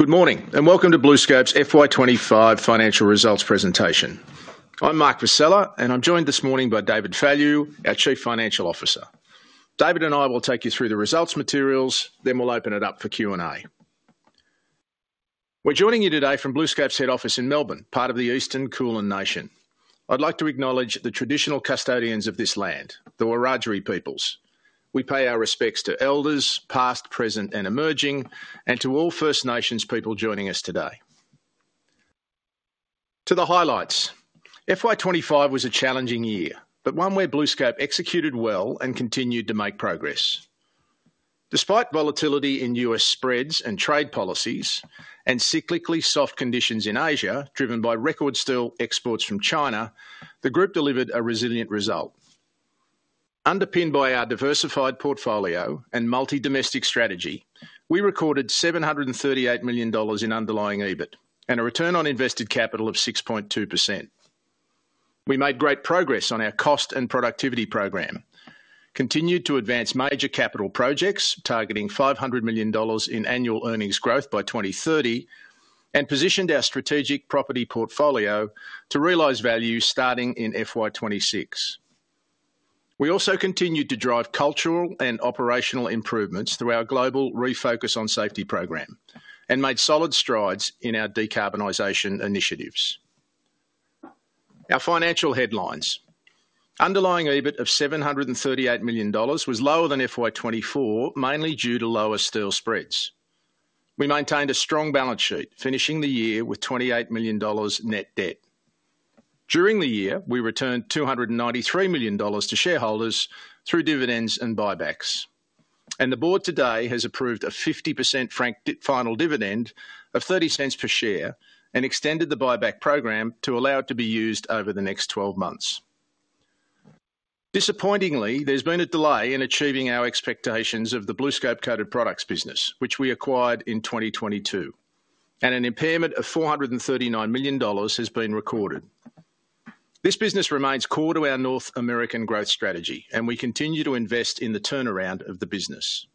Good morning and welcome to BlueScope Steel's FY 2025 Financial Results Presentation. I'm Mark Vassella, and I'm joined this morning by David Fallu, our Chief Financial Officer. David and I will take you through the results materials, then we'll open it up for Q&A. We're joining you today from BlueScope Steel's head office in Melbourne, part of the Eastern Kulin Nation. I'd like to acknowledge the traditional custodians of this land, the Wiradjuri peoples. We pay our respects to elders, past, present, and emerging, and to all First Nations people joining us today. To the highlights: FY 2025 was a challenging year, but one where BlueScope Steel executed well and continued to make progress. Despite volatility in U.S. spreads and trade policy, and cyclically soft conditions in Asia, driven by record steel exports from China, the group delivered a resilient result. Underpinned by our diversified portfolio and multi-domestic strategy, we recorded 738 million dollars in underlying EBIT and a return on invested capital of 6.2%. We made great progress on our Cost and Productivity Programme, continued to advance major capital projects targeting 500 million dollars in annual earnings growth by 2030, and positioned our strategic property portfolio to realize value starting in FY 2026. We also continued to drive cultural and operational improvements through our global refocus on safety programme and made solid strides in our decarbonisation initiatives. Our financial headlines: underlying EBIT of 738 million dollars was lower than FY 2024, mainly due to lower steel spreads. We maintained a strong balance sheet, finishing the year with 28 million dollars net debt. During the year, we returned 293 million dollars to shareholders through dividends and buybacks. The Board today has approved a 50% final dividend of 0.30 per share and extended the buyback program to allow it to be used over the next 12 months. Disappointingly, there's been a delay in achieving our expectations of the BlueScope Coated Products business, which we acquired in 2022, and an impairment of 439 million dollars has been recorded. This business remains core to our North American growth strategy, and we continue to invest in the turnaround of the business.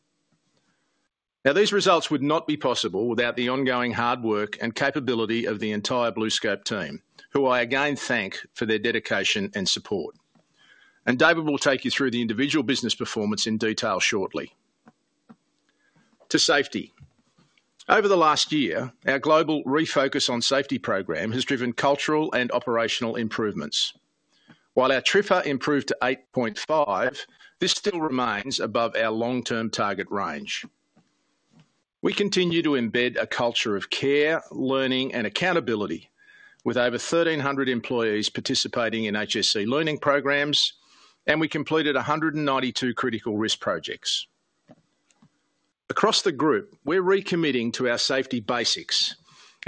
These results would not be possible without the ongoing hard work and capability of the entire BlueScope Steel team, who I again thank for their dedication and support. David will take you through the individual business performance in detail shortly. To safety: Over the last year, our global refocus on safety program has driven cultural and operational improvements. While our TRIFA improved to 8.5, this still remains above our long-term target range. We continue to embed a culture of care, learning, and accountability, with over 1,300 employees participating in HSC learning programs, and we completed 192 critical risk projects. Across the group, we're recommitting to our safety basics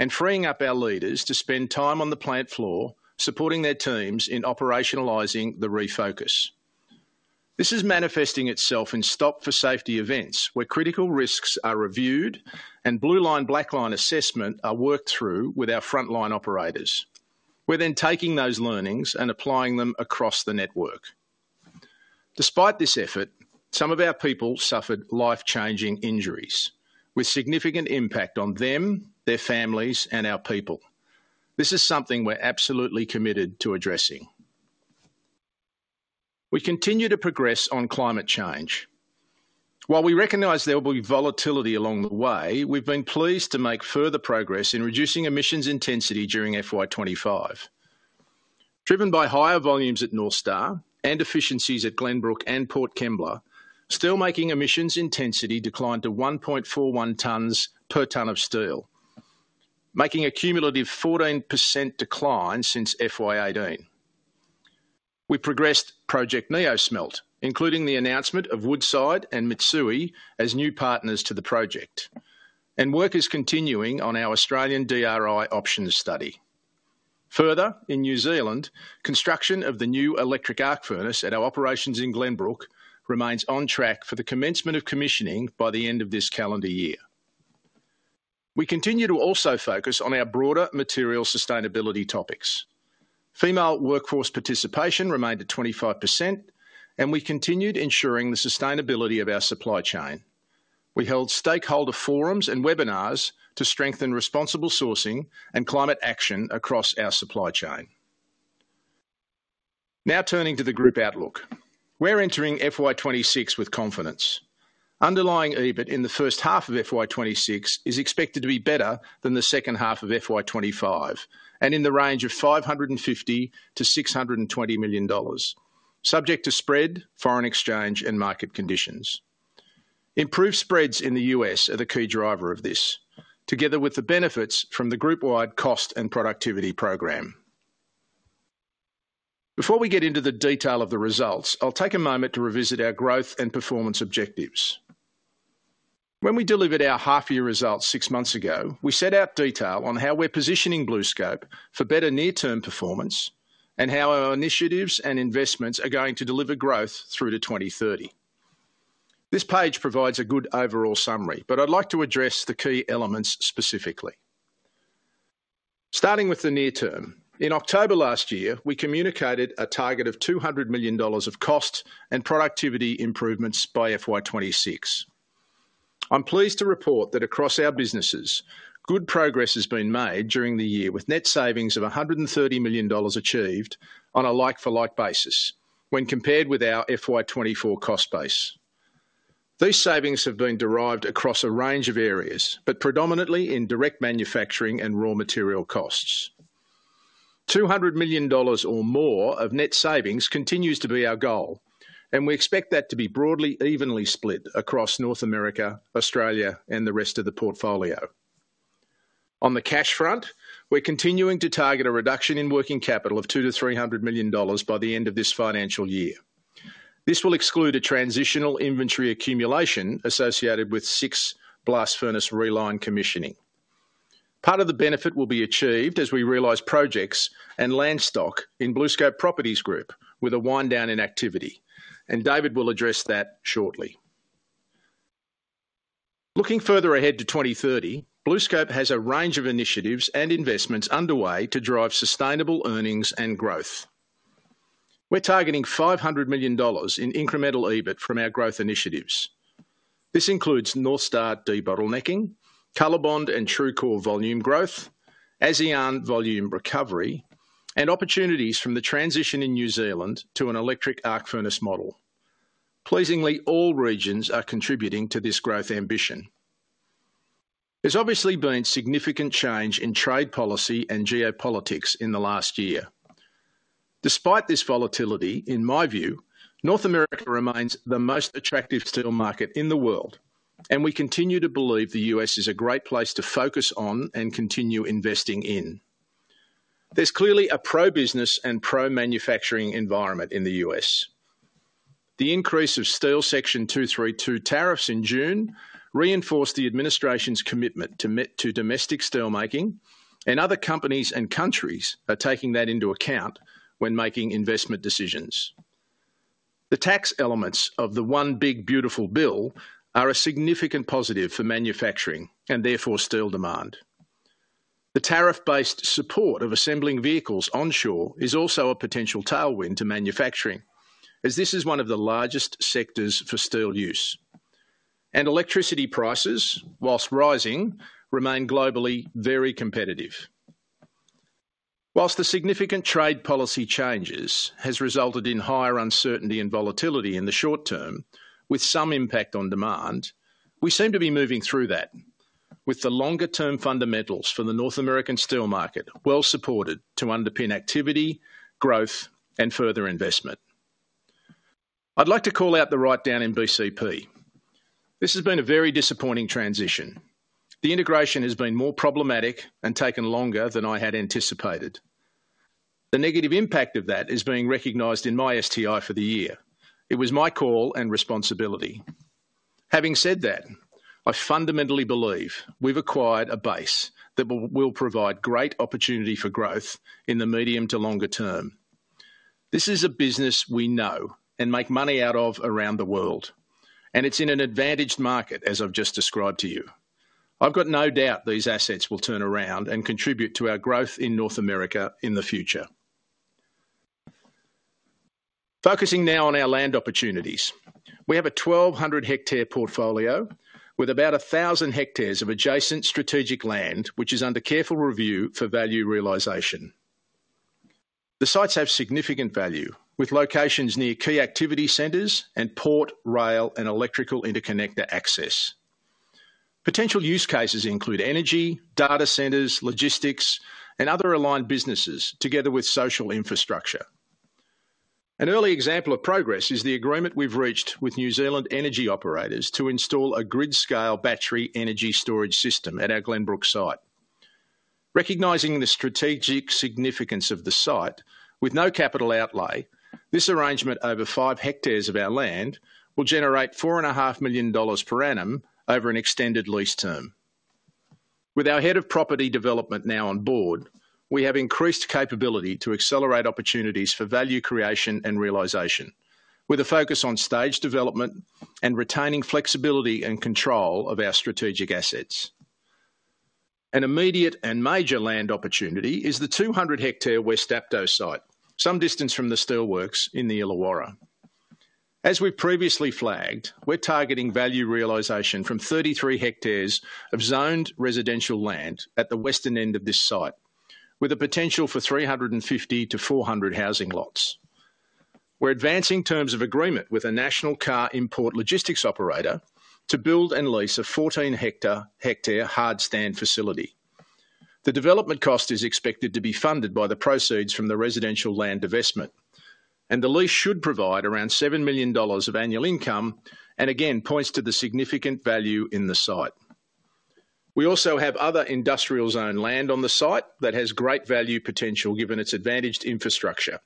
and freeing up our leaders to spend time on the plant floor supporting their teams in operationalizing the refocus. This is manifesting itself in stop-for-safety events where critical risks are reviewed and blue-line, black-line assessments are worked through with our front-line operators. We're then taking those learnings and applying them across the network. Despite this effort, some of our people suffered life-changing injuries, with significant impact on them, their families, and our people. This is something we're absolutely committed to addressing. We continue to progress on climate change. While we recognize there will be volatility along the way, we've been pleased to make further progress in reducing emissions intensity during FY 2025. Driven by higher volumes at North Star and efficiencies at Glenbrook and Port Kembla, steelmaking emissions intensity declined to 1.41 tonnes per tonne of steel, making a cumulative 14% decline since FY 2018. We progressed Project Neosmelt, including the announcement of Woodside and Mitsui as new partners to the project, and work is continuing on our Australian DRI options study. Further, in New Zealand, construction of the new electric arc furnace at our operations in Glenbrook remains on track for the commencement of commissioning by the end of this calendar year. We continue to also focus on our broader material sustainability topics. Female workforce participation remained at 25%, and we continued ensuring the sustainability of our supply chain. We held stakeholder forums and webinars to strengthen responsible sourcing and climate action across our supply chain. Now turning to the group outlook, we're entering FY 2026 with confidence. Underlying EBIT in the first half of FY 2026 is expected to be better than the second half of FY 2025, and in the range of 550 million-620 million dollars, subject to spread, foreign exchange, and market conditions. Improved spreads in the U.S. are the key driver of this, together with the benefits from the group-wide Cost and Productivity Program. Before we get into the detail of the results, I'll take a moment to revisit our growth and performance objectives. When we delivered our half-year results six months ago, we set out detail on how we're positioning BlueScope for better near-term performance and how our initiatives and investments are going to deliver growth through to 2030. This page provides a good overall summary, but I'd like to address the key elements specifically. Starting with the near term, in October last year, we communicated a target of 200 million dollars of cost and productivity improvements by FY 2026. I'm pleased to report that across our businesses, good progress has been made during the year, with net savings of 130 million dollars achieved on a like-for-like basis when compared with our FY 2024 cost base. These savings have been derived across a range of areas, but predominantly in direct manufacturing and raw material costs. 200 million dollars or more of net savings continues to be our goal, and we expect that to be broadly evenly split across North America, Australia, and the rest of the portfolio. On the cash front, we're continuing to target a reduction in working capital of 200 million-300 million dollars by the end of this financial year. This will exclude a transitional inventory accumulation associated with six blast furnace reline commissioning. Part of the benefit will be achieved as we realise projects and land stock in BlueScope Properties Group with a wind-down in activity, and David will address that shortly. Looking further ahead to 2030, BlueScope has a range of initiatives and investments underway to drive sustainable earnings and growth. We're targeting 500 million dollars in incremental EBIT from our growth initiatives. This includes North Star debottlenecking, COLORBOND and TRUECORE volume growth, ASEAN volume recovery, and opportunities from the transition in New Zealand to an electric arc furnace model. Pleasingly, all regions are contributing to this growth ambition. There's obviously been significant change in trade policy and geopolitics in the last year. Despite this volatility, in my view, North America remains the most attractive steel market in the world, and we continue to believe the U.S. is a great place to focus on and continue investing in. There's clearly a pro-business and pro-manufacturing environment in the U.S. The increase of Steel Section 232 tariffs in June reinforced the administration's commitment to domestic steelmaking, and other companies and countries are taking that into account when making investment decisions. The tax elements of the One Big Beautiful Bill are a significant positive for manufacturing and therefore steel demand. The tariff-based support of assembling vehicles onshore is also a potential tailwind to manufacturing, as this is one of the largest sectors for steel use. Electricity prices, whilst rising, remain globally very competitive. Whilst the significant trade policy changes have resulted in higher uncertainty and volatility in the short term, with some impact on demand, we seem to be moving through that, with the longer-term fundamentals for the North American steel market well supported to underpin activity, growth, and further investment. I'd like to call out the write-down in BCP. This has been a very disappointing transition. The integration has been more problematic and taken longer than I had anticipated. The negative impact of that is being recognised in my STI for the year. It was my call and responsibility. Having said that, I fundamentally believe we've acquired a base that will provide great opportunity for growth in the medium to longer term. This is a business we know and make money out of around the world, and it's in an advantaged market, as I've just described to you. I've got no doubt these assets will turn around and contribute to our growth in North America in the future. Focusing now on our land opportunities, we have a 1,200-hectare portfolio with about 1,000 hectares of adjacent strategic land, which is under careful review for value realisation. The sites have significant value, with locations near key activity centres and port, rail, and electrical interconnector access. Potential use cases include energy, data centres, logistics, and other aligned businesses, together with social infrastructure. An early example of progress is the agreement we've reached with New Zealand energy operators to install a grid-scale battery energy storage system at our Glenbrook site. Recognising the strategic significance of the site, with no capital outlay, this arrangement over five hectares of our land will generate 4.5 million dollars per annum over an extended lease term. With our Head of Property Development now on board, we have increased capability to accelerate opportunities for value creation and realisation, with a focus on stage development and retaining flexibility and control of our strategic assets. An immediate and major land opportunity is the 200-hectare West Dapto site, some distance from the steelworks in the Illawarra. As we previously flagged, we're targeting value realisation from 33 hectares of zoned residential land at the western end of this site, with a potential for 350-400 housing lots. We're advancing terms of agreement with a national car import logistics operator to build and lease a 14-hectare hardstand facility. The development cost is expected to be funded by the proceeds from the residential land investment, and the lease should provide around 7 million dollars of annual income and again points to the significant value in the site. We also have other industrial zone land on the site that has great value potential given its advantaged infrastructure,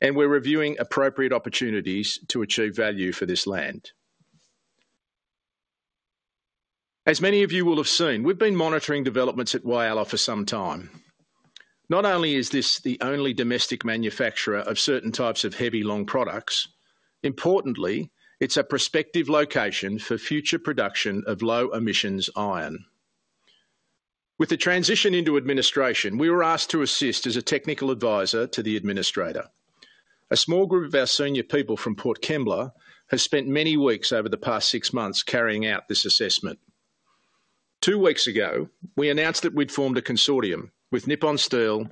and we're reviewing appropriate opportunities to achieve value for this land. As many of you will have seen, we've been monitoring developments at Whyalla for some time. Not only is this the only domestic manufacturer of certain types of heavy long products, importantly, it's a prospective location for future production of low-emissions iron. With the transition into administration, we were asked to assist as a technical advisor to the administrator. A small group of our senior people from Port Kembla has spent many weeks over the past six months carrying out this assessment. Two weeks ago, we announced that we'd formed a consortium with Nippon Steel,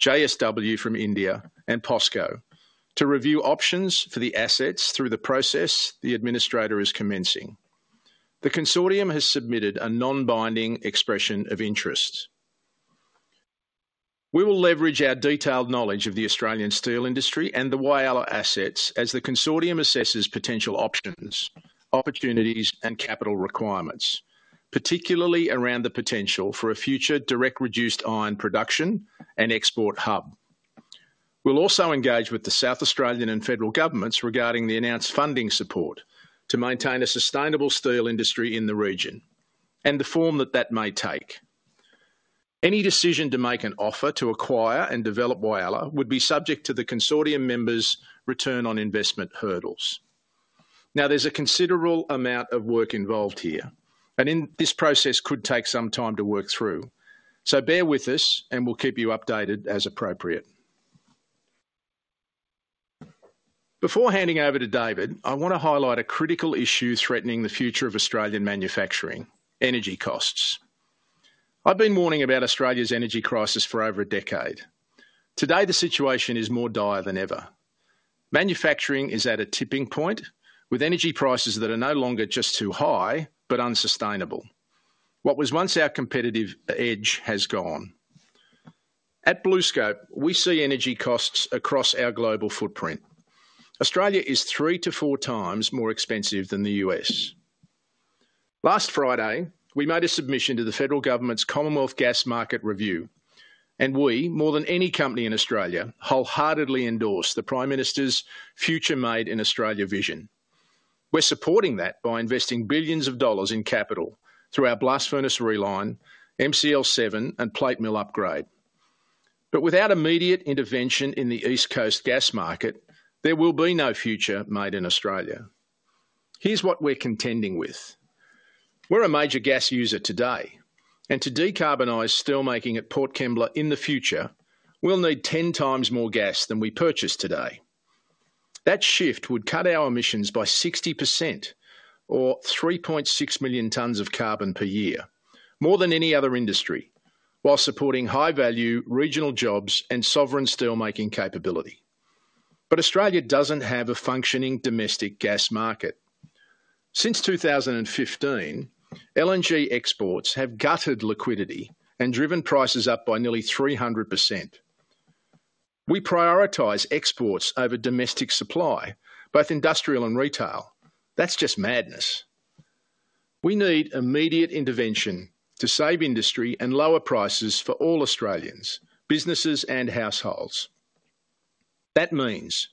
JSW from India, and POSCO to review options for the assets through the process the administrator is commencing. The consortium has submitted a non-binding expression of interest. We will leverage our detailed knowledge of the Australian steel industry and the Whyalla assets as the consortium assesses potential options, opportunities, and capital requirements, particularly around the potential for a future direct reduced iron production and export hub. We'll also engage with the South Australian and federal governments regarding the announced funding support to maintain a sustainable steel industry in the region and the form that that may take. Any decision to make an offer to acquire and develop Whyalla would be subject to the consortium members' return on investment hurdles. Now, there's a considerable amount of work involved here, and this process could take some time to work through, so bear with us and we'll keep you updated as appropriate. Before handing over to David, I want to highlight a critical issue threatening the future of Australian manufacturing: energy costs. I've been warning about Australia's energy crisis for over a decade. Today, the situation is more dire than ever. Manufacturing is at a tipping point, with energy prices that are no longer just too high but unsustainable. What was once our competitive edge has gone. At BlueScope, we see energy costs across our global footprint. Australia is 3x-4x more expensive than the U.S. Last Friday, we made a submission to the federal government's Commonwealth Gas Market Review, and we, more than any company in Australia, wholeheartedly endorse the Prime Minister's future-made-in-Australia vision. We're supporting that by investing billions of dollars in capital through our blast furnace reline, MCL7, and plate mill upgrade. Without immediate intervention in the East Coast gas market, there will be no future made in Australia. Here's what we're contending with: we're a major gas user today, and to decarbonise steelmaking at Port Kembla in the future, we'll need 10x more gas than we purchase today. That shift would cut our emissions by 60%, or 3.6 million tonnes of carbon per year, more than any other industry, while supporting high-value regional jobs and sovereign steelmaking capability. Australia doesn't have a functioning domestic gas market. Since 2015, LNG exports have gutted liquidity and driven prices up by nearly 300%. We prioritize exports over domestic supply, both industrial and retail. That's just madness. We need immediate intervention to save industry and lower prices for all Australians, businesses and households. That means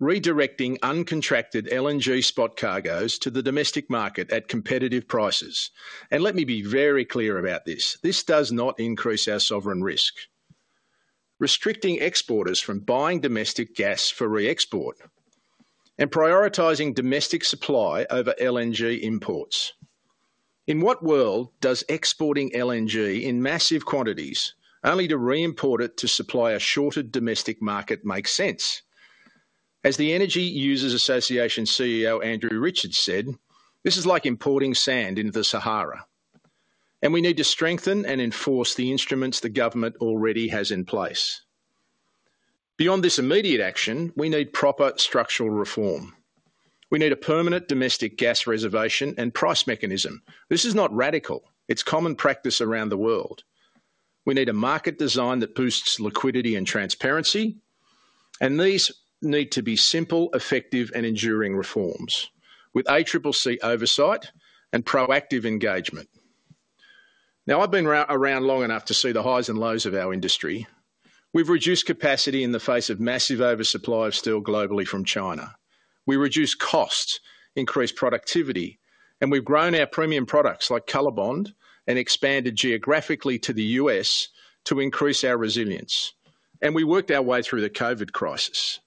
redirecting uncontracted LNG spot cargoes to the domestic market at competitive prices. Let me be very clear about this: this does not increase our sovereign risk. Restricting exporters from buying domestic gas for re-export and prioritizing domestic supply over LNG imports. In what world does exporting LNG in massive quantities only to re-import it to supply a shorter domestic market make sense? As the Energy Users Association CEO, Andrew Richards, said, this is like importing sand into the Sahara. We need to strengthen and enforce the instruments the government already has in place. Beyond this immediate action, we need proper structural reform. We need a permanent domestic gas reservation and price mechanism. This is not radical, it's common practice around the world. We need a market design that boosts liquidity and transparency, and these need to be simple, effective, and enduring reforms with ACCC oversight and proactive engagement. I've been around long enough to see the highs and lows of our industry. We've reduced capacity in the face of massive oversupply of steel globally from China. We reduced costs, increased productivity, and we've grown our premium products like COLORBOND steel and expanded geographically to the U.S. to increase our resilience. We worked our way through the COVID crisis.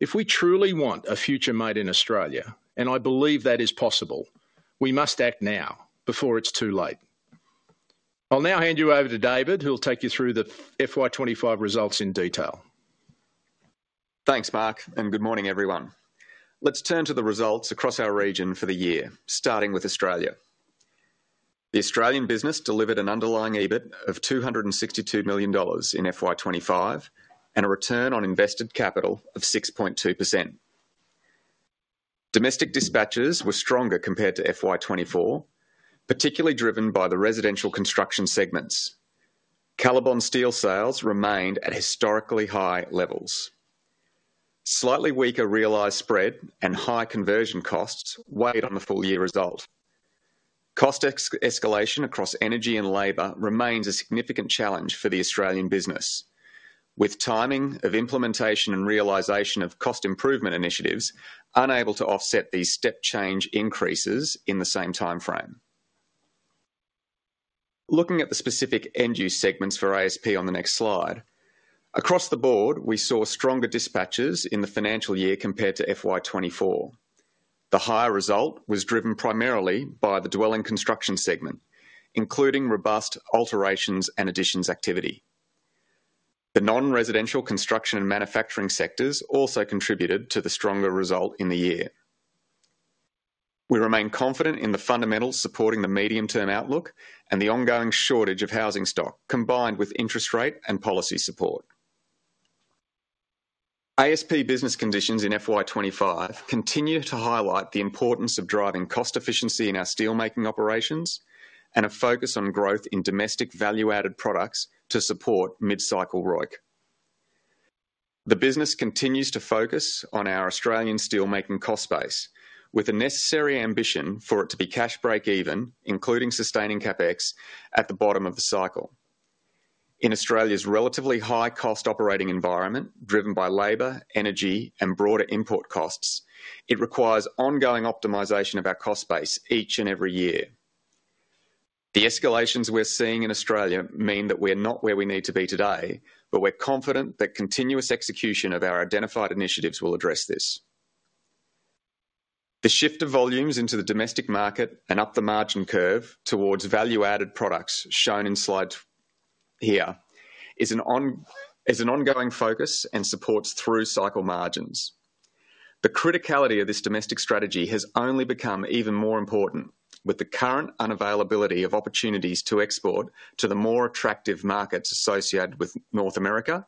If we truly want a future made in Australia, and I believe that is possible, we must act now before it's too late. I'll now hand you over to David, who'll take you through the FY 2025 results in detail. Thanks, Mark, and good morning, everyone. Let's turn to the results across our region for the year, starting with Australia. The Australian business delivered an underlying EBIT of 262 million dollars in FY 2025 and a return on invested capital of 6.2%. Domestic dispatches were stronger compared to FY 2024, particularly driven by the residential construction segments. COLORBOND steel sales remained at historically high levels. Slightly weaker realized spread and high conversion costs weighed on the full-year result. Cost escalation across energy and labor remains a significant challenge for the Australian business, with timing of implementation and realization of cost improvement initiatives unable to offset these step change increases in the same timeframe. Looking at the specific end-use segments for ASP on the next slide, across the board, we saw stronger dispatches in the financial year compared to FY 2024. The higher result was driven primarily by the dwelling construction segment, including robust alterations and additions activity. The non-residential construction and manufacturing sectors also contributed to the stronger result in the year. We remain confident in the fundamentals supporting the medium-term outlook and the ongoing shortage of housing stock, combined with interest rate and policy support. ASP business conditions in FY 2025 continue to highlight the importance of driving cost efficiency in our steelmaking operations and a focus on growth in domestic value-added products to support mid-cycle ROIC. The business continues to focus on our Australian steelmaking cost base, with a necessary ambition for it to be cash break-even, including sustaining CapEx at the bottom of the cycle. In Australia's relatively high-cost operating environment, driven by labor, energy, and broader import costs, it requires ongoing optimization of our cost base each and every year. The escalations we're seeing in Australia mean that we're not where we need to be today, but we're confident that continuous execution of our identified initiatives will address this. The shift of volumes into the domestic market and up the margin curve towards value-added products, shown in slides here, is an ongoing focus and supports through cycle margins. The criticality of this domestic strategy has only become even more important with the current unavailability of opportunities to export to the more attractive markets associated with North America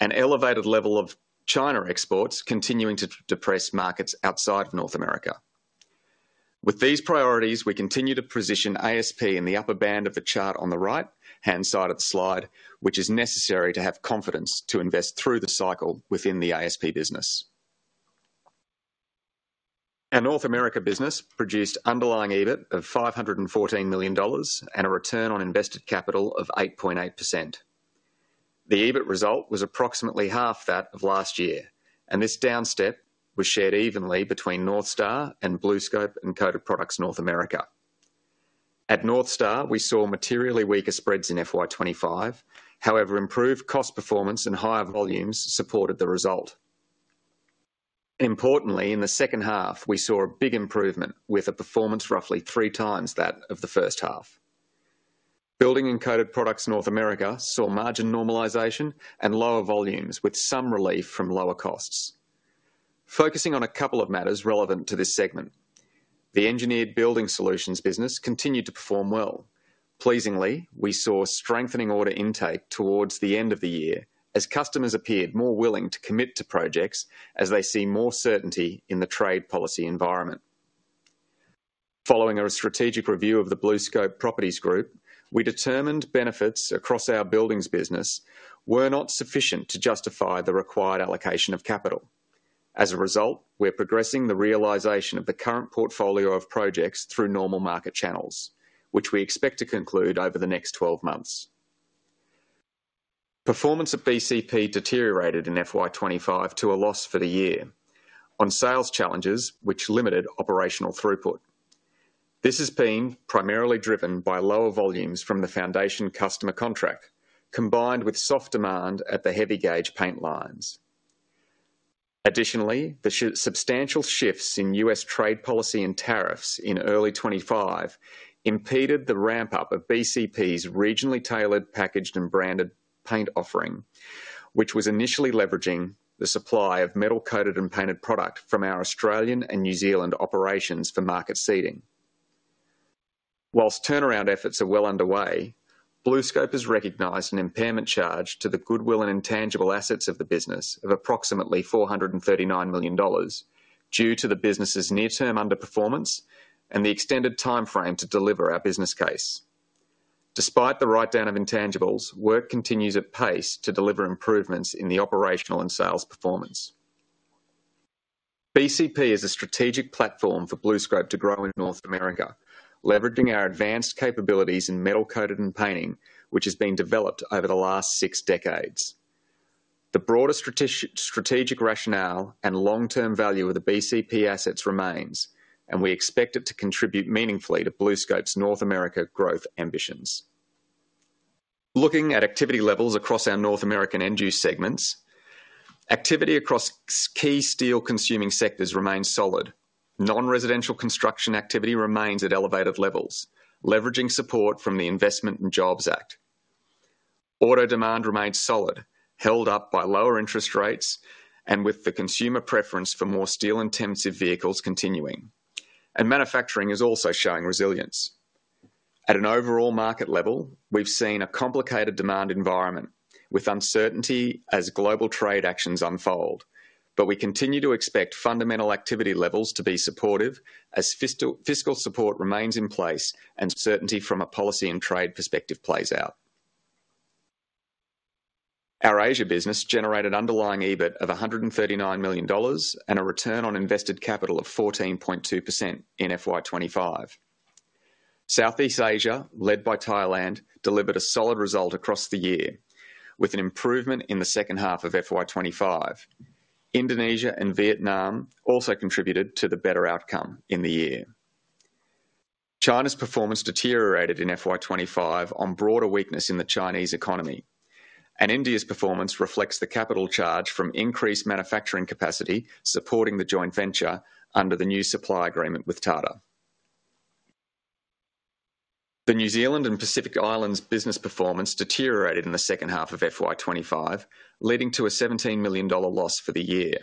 and an elevated level of China exports continuing to depress markets outside of North America. With these priorities, we continue to position ASP in the upper band of the chart on the right-hand side of the slide, which is necessary to have confidence to invest through the cycle within the ASP business. Our North America business produced an underlying EBIT of 514 million dollars and a return on invested capital of 8.8%. The EBIT result was approximately half that of last year, and this down step was shared evenly between North Star and BlueScope and Coated Products North America. At North Star, we saw materially weaker spreads in FY 2025; however, improved cost performance and higher volumes supported the result. Importantly, in the second half, we saw a big improvement with a performance roughly 3x that of the first half. Building and Coated Products North America saw margin normalization and lower volumes with some relief from lower costs. Focusing on a couple of matters relevant to this segment, the engineered building solutions business continued to perform well. Pleasingly, we saw strengthening order intake towards the end of the year as customers appeared more willing to commit to projects as they see more certainty in the trade policy environment. Following a strategic review of the BlueScope Properties Group, we determined benefits across our buildings business were not sufficient to justify the required allocation of capital. As a result, we're progressing the realisation of the current portfolio of projects through normal market channels, which we expect to conclude over the next 12 months. Performance at BCP deteriorated in FY 2025 to a loss for the year on sales challenges, which limited operational throughput. This has been primarily driven by lower volumes from the foundation customer contract, combined with soft demand at the heavy gauge paint lines. Additionally, the substantial shifts in U.S. trade policy and tariffs in early 2025 impeded the ramp-up of BCP's regionally tailored, packaged, and branded paint offering, which was initially leveraging the supply of metal coated and painted product from our Australian and New Zealand operations for market seeding. Whilst turnaround efforts are well underway, BlueScope has recognised an impairment charge to the goodwill and intangible assets of the business of approximately 439 million dollars due to the business's near-term underperformance and the extended timeframe to deliver our business case. Despite the write-down of intangibles, work continues at pace to deliver improvements in the operational and sales performance. BCP is a strategic platform for BlueScope to grow in North America, leveraging our advanced capabilities in metal coated and painting, which has been developed over the last six decades. The broader strategic rationale and long-term value of the BCP assets remains, and we expect it to contribute meaningfully to BlueScope's North America growth ambitions. Looking at activity levels across our North American end-use segments, activity across key steel consuming sectors remains solid. Non-residential construction activity remains at elevated levels, leveraging support from the Investment and Jobs Act. Auto demand remains solid, held up by lower interest rates and with the consumer preference for more steel intensive vehicles continuing, and manufacturing is also showing resilience. At an overall market level, we've seen a complicated demand environment with uncertainty as global trade actions unfold, yet we continue to expect fundamental activity levels to be supportive as fiscal support remains in place and certainty from a policy and trade perspective plays out. Our Asia business generated an underlying EBIT of 139 million dollars and a return on invested capital of 14.2% in FY 2025. Southeast Asia, led by Thailand, delivered a solid result across the year, with an improvement in the second half of FY 2025. Indonesia and Vietnam also contributed to the better outcome in the year. China's performance deteriorated in FY 2025 on broader weakness in the Chinese economy, and India's performance reflects the capital charge from increased manufacturing capacity supporting the joint venture under the new supply agreement with Tata. The New Zealand and Pacific Islands business performance deteriorated in the second half of FY 2025, leading to a 17 million dollar loss for the year.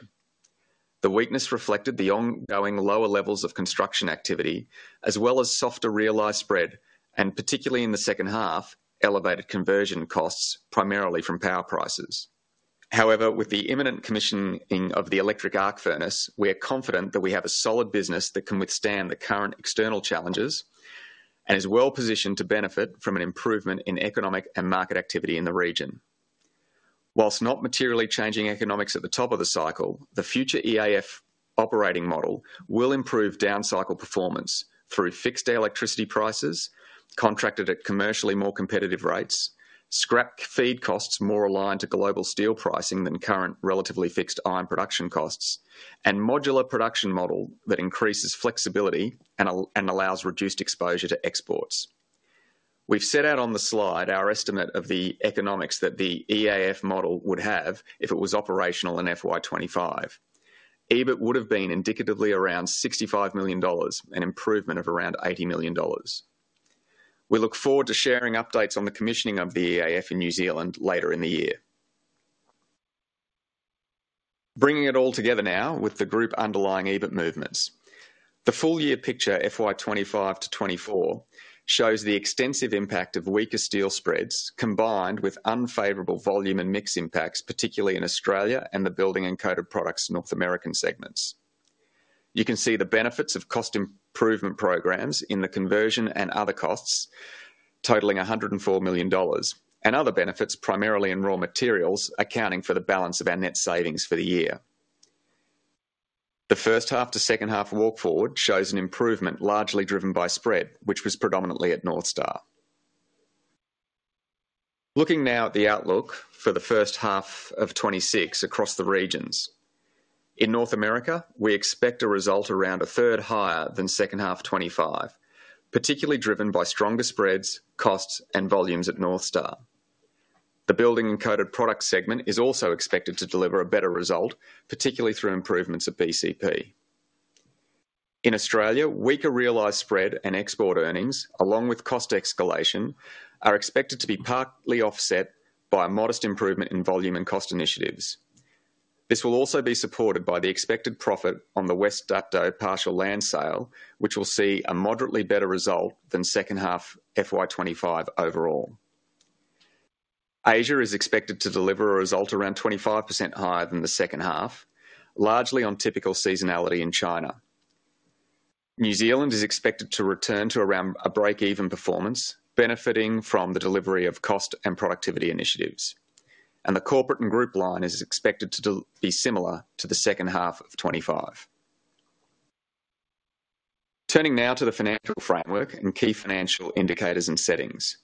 The weakness reflected the ongoing lower levels of construction activity, as well as softer realized spread and, particularly in the second half, elevated conversion costs, primarily from power prices. However, with the imminent commissioning of the electric arc furnace, we are confident that we have a solid business that can withstand the current external challenges and is well positioned to benefit from an improvement in economic and market activity in the region. Whilst not materially changing economics at the top of the cycle, the future EAF operating model will improve down cycle performance through fixed electricity prices contracted at commercially more competitive rates, scrap feed costs more aligned to global steel pricing than current relatively fixed iron production costs, and a modular production model that increases flexibility and allows reduced exposure to exports. We've set out on the slide our estimate of the economics that the EAF model would have if it was operational in FY 2025. EBIT would have been indicatively around 65 million dollars, an improvement of around 80 million dollars. We look forward to sharing updates on the commissioning of the EAF in New Zealand later in the year. Bringing it all together now with the group underlying EBIT movements, the full-year picture FY 2025 to 2024 shows the extensive impact of weaker steel spreads combined with unfavorable volume and mix impacts, particularly in Australia and the Building and Coated Products North American segments. You can see the benefits of cost improvement programs in the conversion and other costs, totaling 104 million dollars, and other benefits primarily in raw materials, accounting for the balance of our net savings for the year. The first half to second half walk forward shows an improvement largely driven by spread, which was predominantly at North Star. Looking now at the outlook for the first half of 2026 across the regions, in North America, we expect a result around 1/3 higher than second half 2025, particularly driven by stronger spreads, costs, and volumes at North Star. The Building and Coated Products segment is also expected to deliver a better result, particularly through improvements at BCP. In Australia, weaker realized spread and export earnings, along with cost escalation, are expected to be partly offset by a modest improvement in volume and cost initiatives. This will also be supported by the expected profit on the West Dapto partial land sale, which will see a moderately better result than second half 2025 overall. Asia is expected to deliver a result around 25% higher than the second half, largely on typical seasonality in China. New Zealand is expected to return to around a break-even performance, benefiting from the delivery of cost and productivity initiatives. The corporate and group line is expected to be similar to the second half of 2025. Turning now to the financial framework and key financial indicators and settings.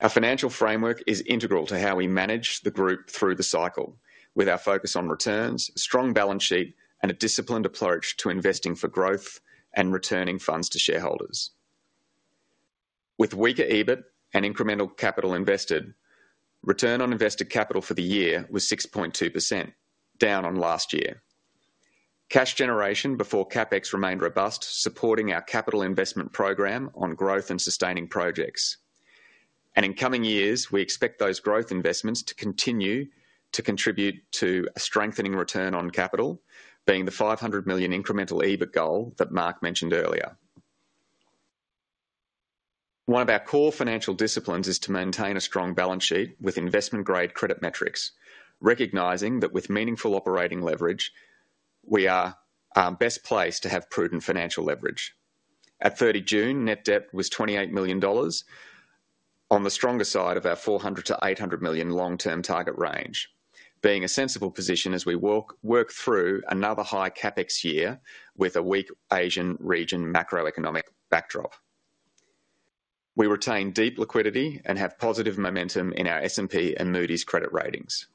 Our financial framework is integral to how we manage the group through the cycle, with our focus on returns, a strong balance sheet, and a disciplined approach to investing for growth and returning funds to shareholders. With weaker EBIT and incremental capital invested, the return on invested capital for the year was 6.2%, down on last year. Cash generation before CapEx remained robust, supporting our capital investment program on growth and sustaining projects. In coming years, we expect those growth investments to continue to contribute to a strengthening return on capital, being the 500 million incremental EBIT goal that Mark mentioned earlier. One of our core financial disciplines is to maintain a strong balance sheet with investment-grade credit metrics, recognizing that with meaningful operating leverage, we are best placed to have prudent financial leverage. At 30 June, net debt was 28 million dollars, on the stronger side of our 400 million-800 million long-term target range, being a sensible position as we work through another high CapEx year with a weak Asian region macroeconomic backdrop. We retain deep liquidity and have positive momentum in our S&P and Moody's credit ratings.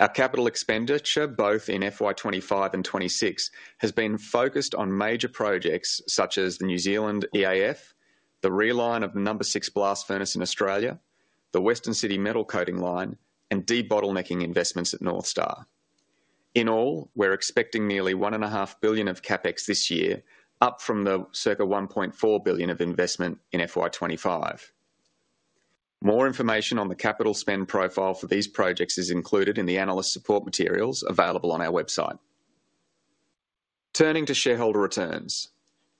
Our capital expenditure, both in FY 2025 and 2026, has been focused on major projects such as the New Zealand EAF, the reline of the number six blast furnace in Australia, the Western City metal coating line, and debottlenecking investments at North Star. In all, we're expecting nearly 1.5 billion of CapEx this year, up from the circa 1.4 billion of investment in FY 2025. More information on the capital spend profile for these projects is included in the analyst support materials available on our website. Turning to shareholder returns,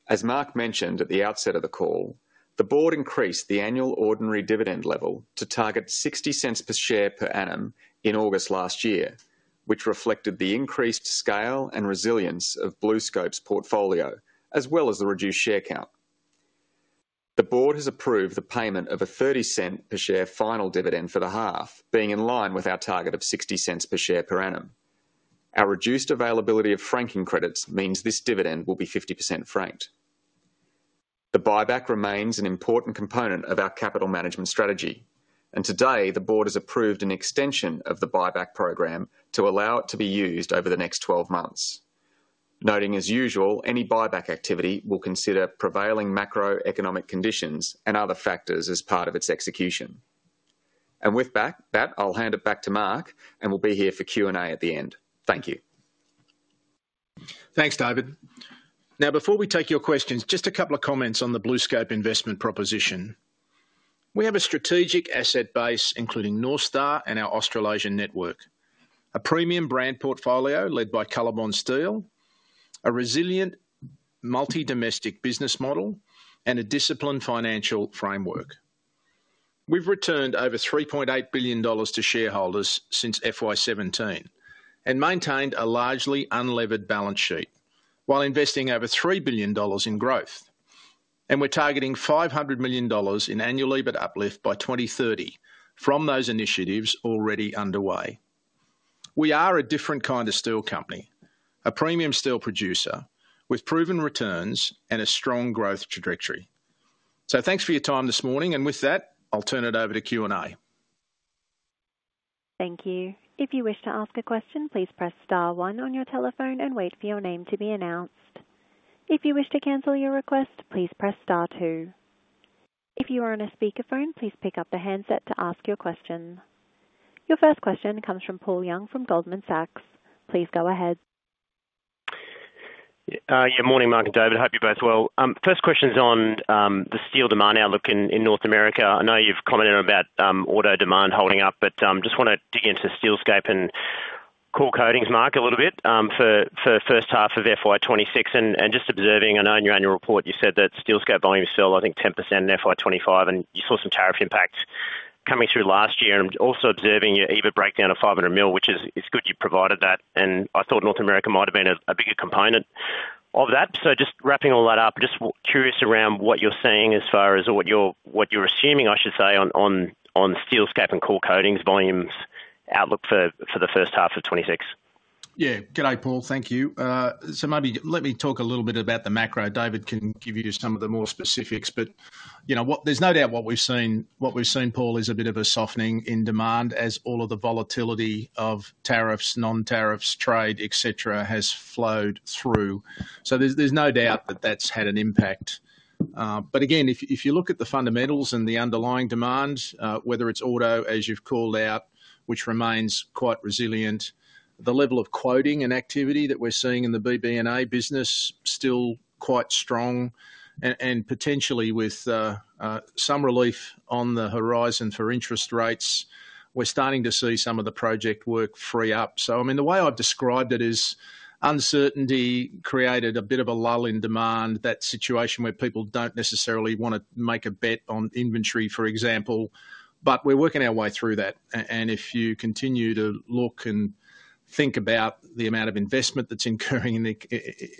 as Mark mentioned at the outset of the call, the Board increased the annual ordinary dividend level to target 0.60 per share per annum in August last year, which reflected the increased scale and resilience of BlueScope Steel's portfolio, as well as the reduced share count. The Board has approved the payment of a 0.30 per share final dividend for the half, being in line with our target of 0.60 per share per annum. Our reduced availability of franking credits means this dividend will be 50% franked. The buyback remains an important component of our capital management strategy, and today the Board has approved an extension of the buyback program to allow it to be used over the next 12 months. Noting, as usual, any buyback activity will consider prevailing macroeconomic conditions and other factors as part of its execution. With that, I'll hand it back to Mark, and we'll be here for Q&A at the end. Thank you. Thanks, David. Now, before we take your questions, just a couple of comments on the BlueScope Steel investment proposition. We have a strategic asset base, including North Star and our Australasian network, a premium brand portfolio led by COLORBOND steel, a resilient multi-domestic business model, and a disciplined financial framework. We've returned over 3.8 billion dollars to shareholders since FY 2017 and maintained a largely unlevered balance sheet, while investing over 3 billion dollars in growth. We're targeting 500 million dollars in annual EBIT uplift by 2030 from those initiatives already underway. We are a different kind of steel company, a premium steel producer with proven returns and a strong growth trajectory. Thanks for your time this morning, and with that, I'll turn it over to Q&A. Thank you. If you wish to ask a question, please press star one on your telephone and wait for your name to be announced. If you wish to cancel your request, please press star two. If you are on a speaker phone, please pick up the handset to ask your question. Your first question comes from Paul Young from Goldman Sachs. Please go ahead. Yeah, morning, Mark and David. Hope you're both well. First question is on the steel demand outlook in North America. I know you've commented about auto demand holding up, but I just want to dig into Steelscape and Coil Coatings, Mark, a little bit for the first half of FY 2026. Just observing, I know in your annual report you said that Steelscape volumes fell, I think, 10% in FY 2025, and you saw some tariff impacts coming through last year. I'm also observing your EBIT breakdown of 500 million, which is good you provided that. I thought North America might have been a bigger component of that. Just wrapping all that up, just curious around what you're seeing as far as what you're assuming, I should say, on Steelscape and Coil Coatings volumes outlook for the first half of 2026. Yeah, g'day, Paul. Thank you. Maybe let me talk a little bit about the macro. David can give you some of the more specifics, but you know what? There's no doubt what we've seen. What we've seen, Paul, is a bit of a softening in demand as all of the volatility of tariffs, non-tariffs, trade, etc., has flowed through. There's no doubt that that's had an impact. If you look at the fundamentals and the underlying demands, whether it's auto, as you've called out, which remains quite resilient, the level of quoting and activity that we're seeing in the BBNA business is still quite strong. Potentially with some relief on the horizon for interest rates, we're starting to see some of the project work free up. The way I've described it is uncertainty created a bit of a lull in demand, that situation where people don't necessarily want to make a bet on inventory, for example. We're working our way through that. If you continue to look and think about the amount of investment that's incurring,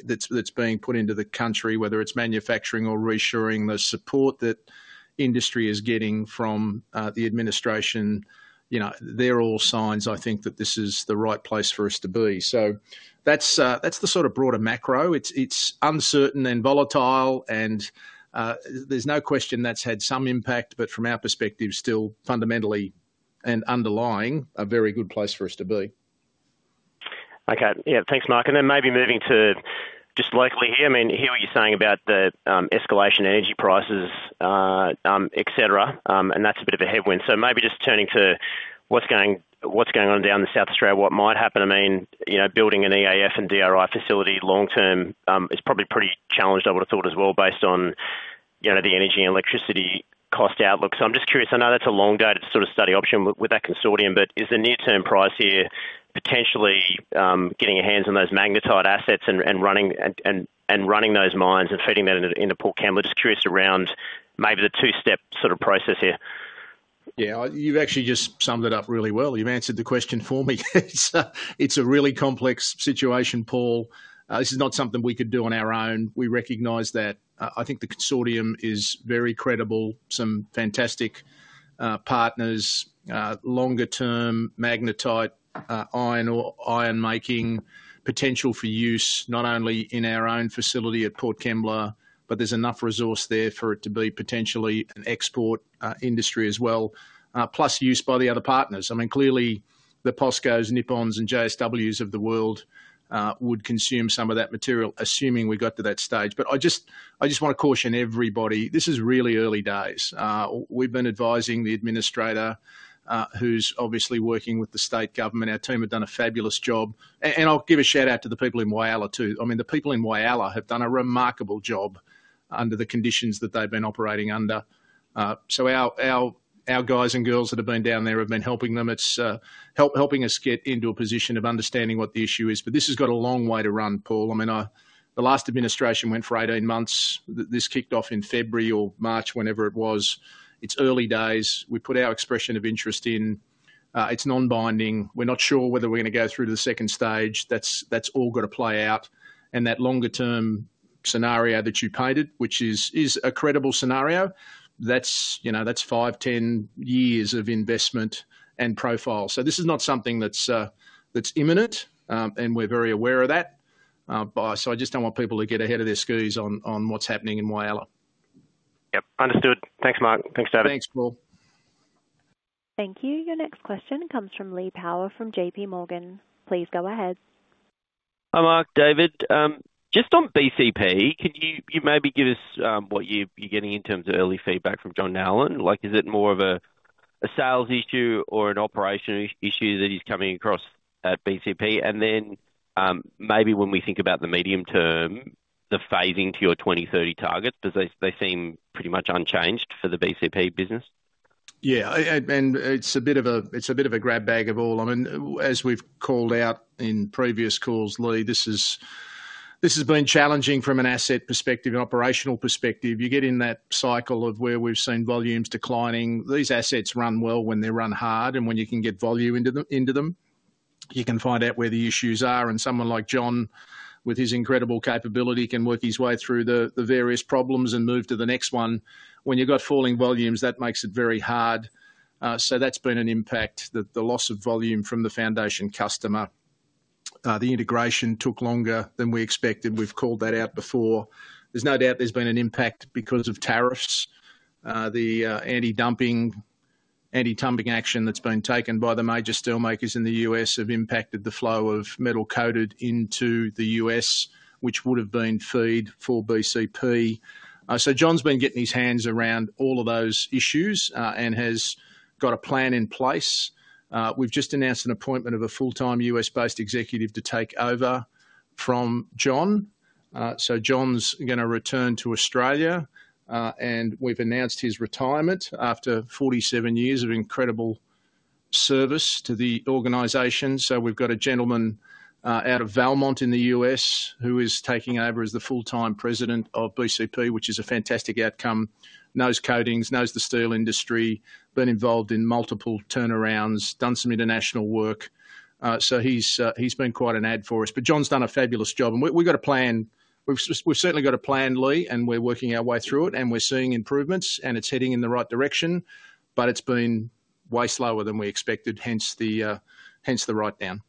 that's being put into the country, whether it's manufacturing or reassuring the support that industry is getting from the administration, they're all signs, I think, that this is the right place for us to be. That's the sort of broader macro. It's uncertain and volatile, and there's no question that's had some impact, but from our perspective, still fundamentally and underlying a very good place for us to be. Okay, yeah, thanks, Mark. Maybe moving to just locally here, I mean, hear what you're saying about the escalation in energy prices, et cetera, and that's a bit of a headwind. Maybe just turning to what's going on down in South Australia, what might happen. I mean, you know, building an EAF and DRI facility long term is probably pretty challenged, I would have thought as well, based on, you know, the energy and electricity cost outlook. I'm just curious, I know that's a long-dated sort of study option with that consortium, but is the near-term prize here potentially getting your hands on those magnetite assets and running those mines and feeding that into Port Kembla? Just curious around maybe the two-step sort of process here. Yeah, you've actually just summed it up really well. You've answered the question for me. It's a really complex situation, Paul. This is not something we could do on our own. We recognize that. I think the consortium is very credible, some fantastic partners, longer-term magnetite iron or iron making potential for use, not only in our own facility at Port Kembla, but there's enough resource there for it to be potentially an export industry as well, plus use by the other partners. I mean, clearly the POSCOs, Nippon Steels, and JSWs of the world would consume some of that material, assuming we got to that stage. I just want to caution everybody, this is really early days. We've been advising the administrator, who's obviously working with the state government. Our team have done a fabulous job. I'll give a shout out to the people in Whyalla too. The people in Whyalla have done a remarkable job under the conditions that they've been operating under. Our guys and girls that have been down there have been helping them. It's helping us get into a position of understanding what the issue is. This has got a long way to run, Paul. The last administration went for 18 months. This kicked off in February or March, whenever it was. It's early days. We put our expression of interest in. It's non-binding. We're not sure whether we're going to go through to the second stage. That's all got to play out. That longer-term scenario that you painted, which is a credible scenario, that's five, ten years of investment and profile. This is not something that's imminent, and we're very aware of that. I just don't want people to get ahead of their skis on what's happening in Whyalla. Yep, understood. Thanks, Mark. Thanks, David. Thanks, Paul. Thank you. Your next question comes from Lee Power from JPMorgan. Please go ahead. Hi, Mark, David. Just on BCP, can you maybe give us what you're getting in terms of early feedback from John Nowlan? Is it more of a sales issue or an operational issue that is coming across at BCP? When we think about the medium term, the phasing to your 2030 targets, they seem pretty much unchanged for the BCP business. Yeah, and it's a bit of a grab bag of all. I mean, as we've called out in previous calls, Lee, this has been challenging from an asset perspective and operational perspective. You get in that cycle of where we've seen volumes declining. These assets run well when they run hard, and when you can get volume into them, you can find out where the issues are. Someone like John, with his incredible capability, can work his way through the various problems and move to the next one. When you've got falling volumes, that makes it very hard. That's been an impact, the loss of volume from the foundation customer. The integration took longer than we expected. We've called that out before. There's no doubt there's been an impact because of tariffs. The anti-dumping, anti-tumbling action that's been taken by the major steelmakers in the U.S. have impacted the flow of metal coated into the U.S., which would have been feed for BCP. John's been getting his hands around all of those issues and has got a plan in place. We've just announced an appointment of a full-time U.S.-based executive to take over from John. John's going to return to Australia, and we've announced his retirement after 47 years of incredible service to the organization. We've got a gentleman out of Valmont in the U.S. who is taking over as the full-time President of BCP, which is a fantastic outcome. Knows coatings, knows the steel industry, been involved in multiple turnarounds, done some international work. He's been quite an add for us. John's done a fabulous job. We've got a plan. We've certainly got a plan, Lee, and we're working our way through it. We're seeing improvements, and it's heading in the right direction, but it's been way slower than we expected, hence the write-down.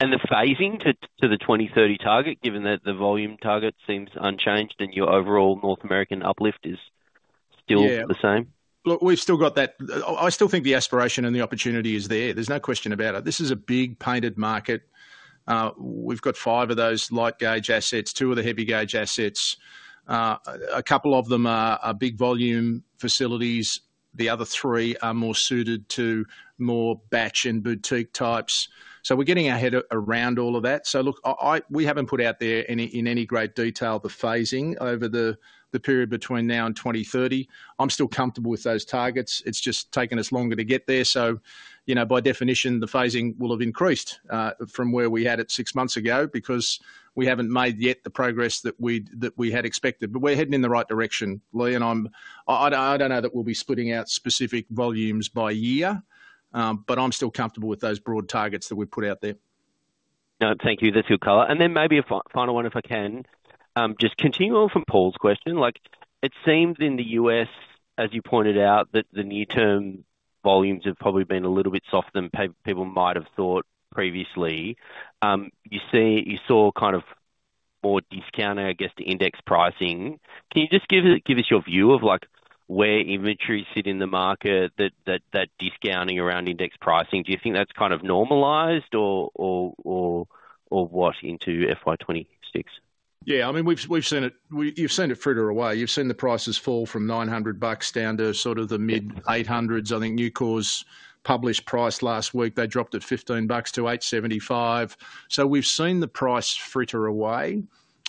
The phasing to the 2030 target, given that the volume target seems unchanged and your overall North American uplift is still the same? Yeah, look, we've still got that. I still think the aspiration and the opportunity is there. There's no question about it. This is a big painted market. We've got five of those light gauge assets, two of the heavy gauge assets. A couple of them are big volume facilities. The other three are more suited to more batch and boutique types. We're getting our head around all of that. We haven't put out there in any great detail the phasing over the period between now and 2030. I'm still comfortable with those targets. It's just taken us longer to get there. By definition, the phasing will have increased from where we had it six months ago because we haven't made yet the progress that we had expected. We're heading in the right direction, Lee. I don't know that we'll be splitting out specific volumes by year, but I'm still comfortable with those broad targets that we put out there. Thank you, the two color. Maybe a final one, if I can, just continuing on from Paul's question. It seemed in the U.S., as you pointed out, that the near-term volumes have probably been a little bit softer than people might have thought previously. You saw kind of more discounting, I guess, to index pricing. Can you just give us your view of where inventories sit in the market, that discounting around index pricing? Do you think that's kind of normalized or what into FY 2026? Yeah, I mean, we've seen it. You've seen it fritter away. You've seen the prices fall from 900 bucks down to sort of the mid AUD 800s. I think Nucor's published price last week, they dropped 15-875 bucks. We've seen the price fritter away,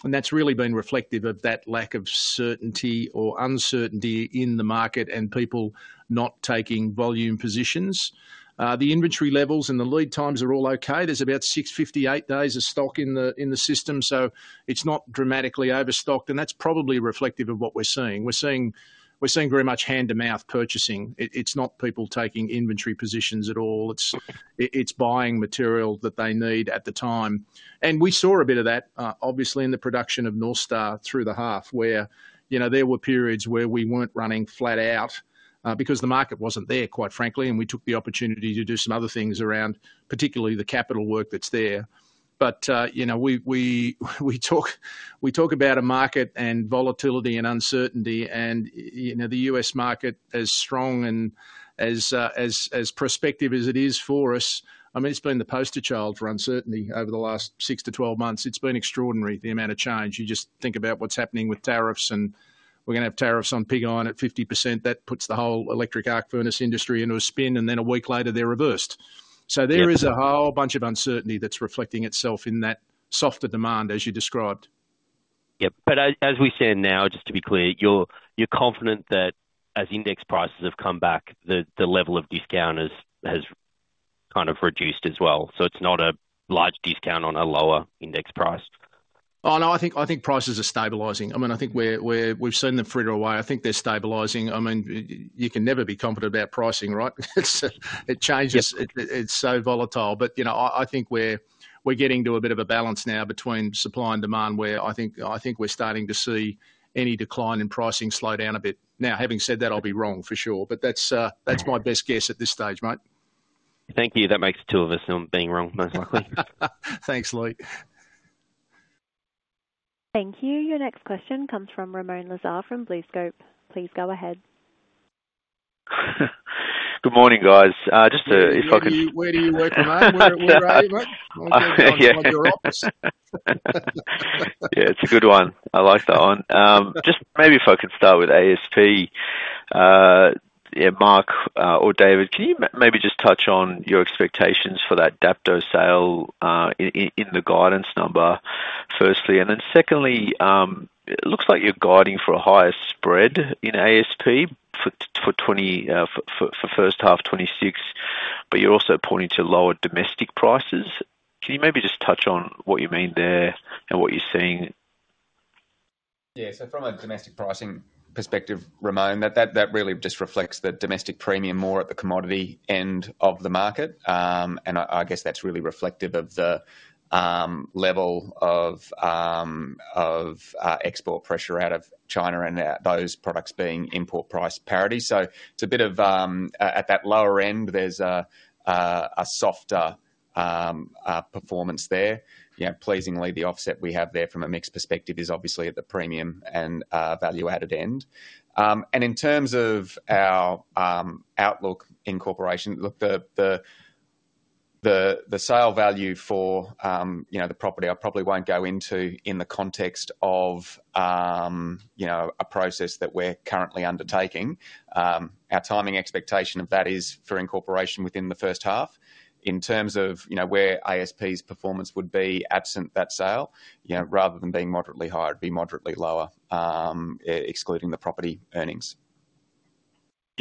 and that's really been reflective of that lack of certainty or uncertainty in the market and people not taking volume positions. The inventory levels and the lead times are all okay. There's about 6.58 days of stock in the system, so it's not dramatically overstocked. That's probably reflective of what we're seeing. We're seeing very much hand-to-mouth purchasing. It's not people taking inventory positions at all. It's buying material that they need at the time. We saw a bit of that, obviously, in the production of North Star through the half, where there were periods where we weren't running flat out because the market wasn't there, quite frankly. We took the opportunity to do some other things around particularly the capital work that's there. We talk about a market and volatility and uncertainty. The U.S. market, as strong and as prospective as it is for us, I mean, it's been the poster child for uncertainty over the last 6-12 months. It's been extraordinary, the amount of change. You just think about what's happening with tariffs. We're going to have tariffs on pig iron at 50%. That puts the whole electric arc furnace industry into a spin. A week later, they're reversed. There is a whole bunch of uncertainty that's reflecting itself in that softer demand, as you described. Yeah, as we said, just to be clear, you're confident that as index prices have come back, the level of discount has kind of reduced as well. It's not a large discount on a lower index price. No, I think prices are stabilizing. I mean, I think we've seen them fritter away. I think they're stabilizing. I mean, you can never be confident about pricing, right? It changes. It's so volatile. You know, I think we're getting to a bit of a balance now between supply and demand, where I think we're starting to see any decline in pricing slow down a bit. Having said that, I'll be wrong for sure. That's my best guess at this stage, Mike. Thank you. That makes the two of us being wrong, most likely. Thanks, Lee. Thank you. Your next question comes from Ramoun Lazar from BlueScope. Please go ahead. Good morning, guys. If I can. Where do you work, Mike? Yeah, it's a good one. I like that one. Just maybe if I could start with ASP. Yeah, Mark or David, can you maybe just touch on your expectations for that West Dapto sale in the guidance number firstly? Then secondly, it looks like you're guiding for a higher spread in ASP for the first half of 2026, but you're also pointing to lower domestic prices. Can you maybe just touch on what you mean there and what you're seeing? Yeah, so from a domestic pricing perspective, Ramoun, that really just reflects the domestic premium more at the commodity end of the market. I guess that's really reflective of the level of export pressure out of China and those products being import price parity. It's a bit of, at that lower end, there's a softer performance there. Pleasingly, the offset we have there from a mix perspective is obviously at the premium and value-added end. In terms of our outlook in incorporation, look, the sale value for the property I probably won't go into in the context of a process that we're currently undertaking. Our timing expectation of that is for incorporation within the first half. In terms of where ASP's performance would be absent that sale, rather than being moderately high, it'd be moderately lower, excluding the property earnings.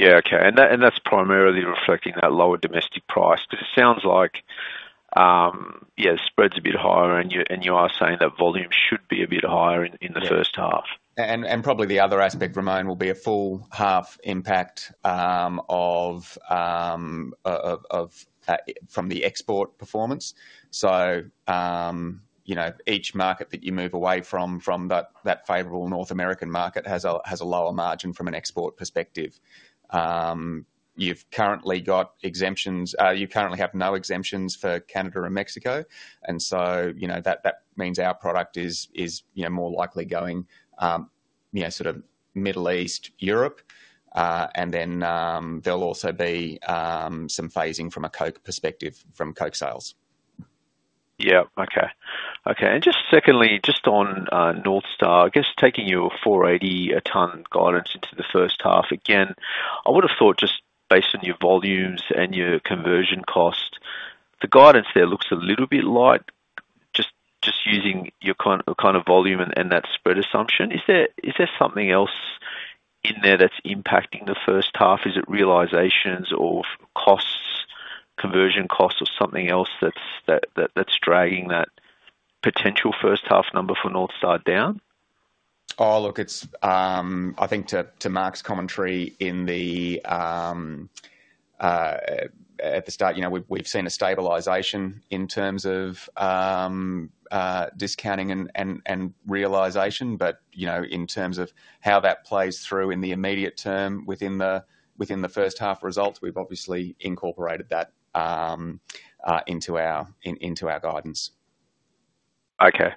Okay. That's primarily reflecting that lower domestic price, but it sounds like spread's a bit higher, and you are saying that volume should be a bit higher in the first half. Probably the other aspect, Ramoun, will be a full half impact from the export performance. Each market that you move away from, from that favorable North American market, has a lower margin from an export perspective. You've currently got exemptions. You currently have no exemptions for Canada or Mexico. That means our product is more likely going sort of Middle East, Europe. There'll also be some phasing from a coke perspective from coke sales. Okay. Just secondly, on North Star, I guess taking your 480 a tonne guidance into the first half, I would have thought just based on your volumes and your conversion cost, the guidance there looks a little bit light, just using your kind of volume and that spread assumption. Is there something else in there that's impacting the first half? Is it realisations or costs, conversion costs, or something else that's dragging that potential first half number for North Star down? Oh, look, I think to Mark's commentary at the start, you know we've seen a stabilisation in terms of discounting and realisation. In terms of how that plays through in the immediate term within the first half results, we've obviously incorporated that into our guidance. Okay.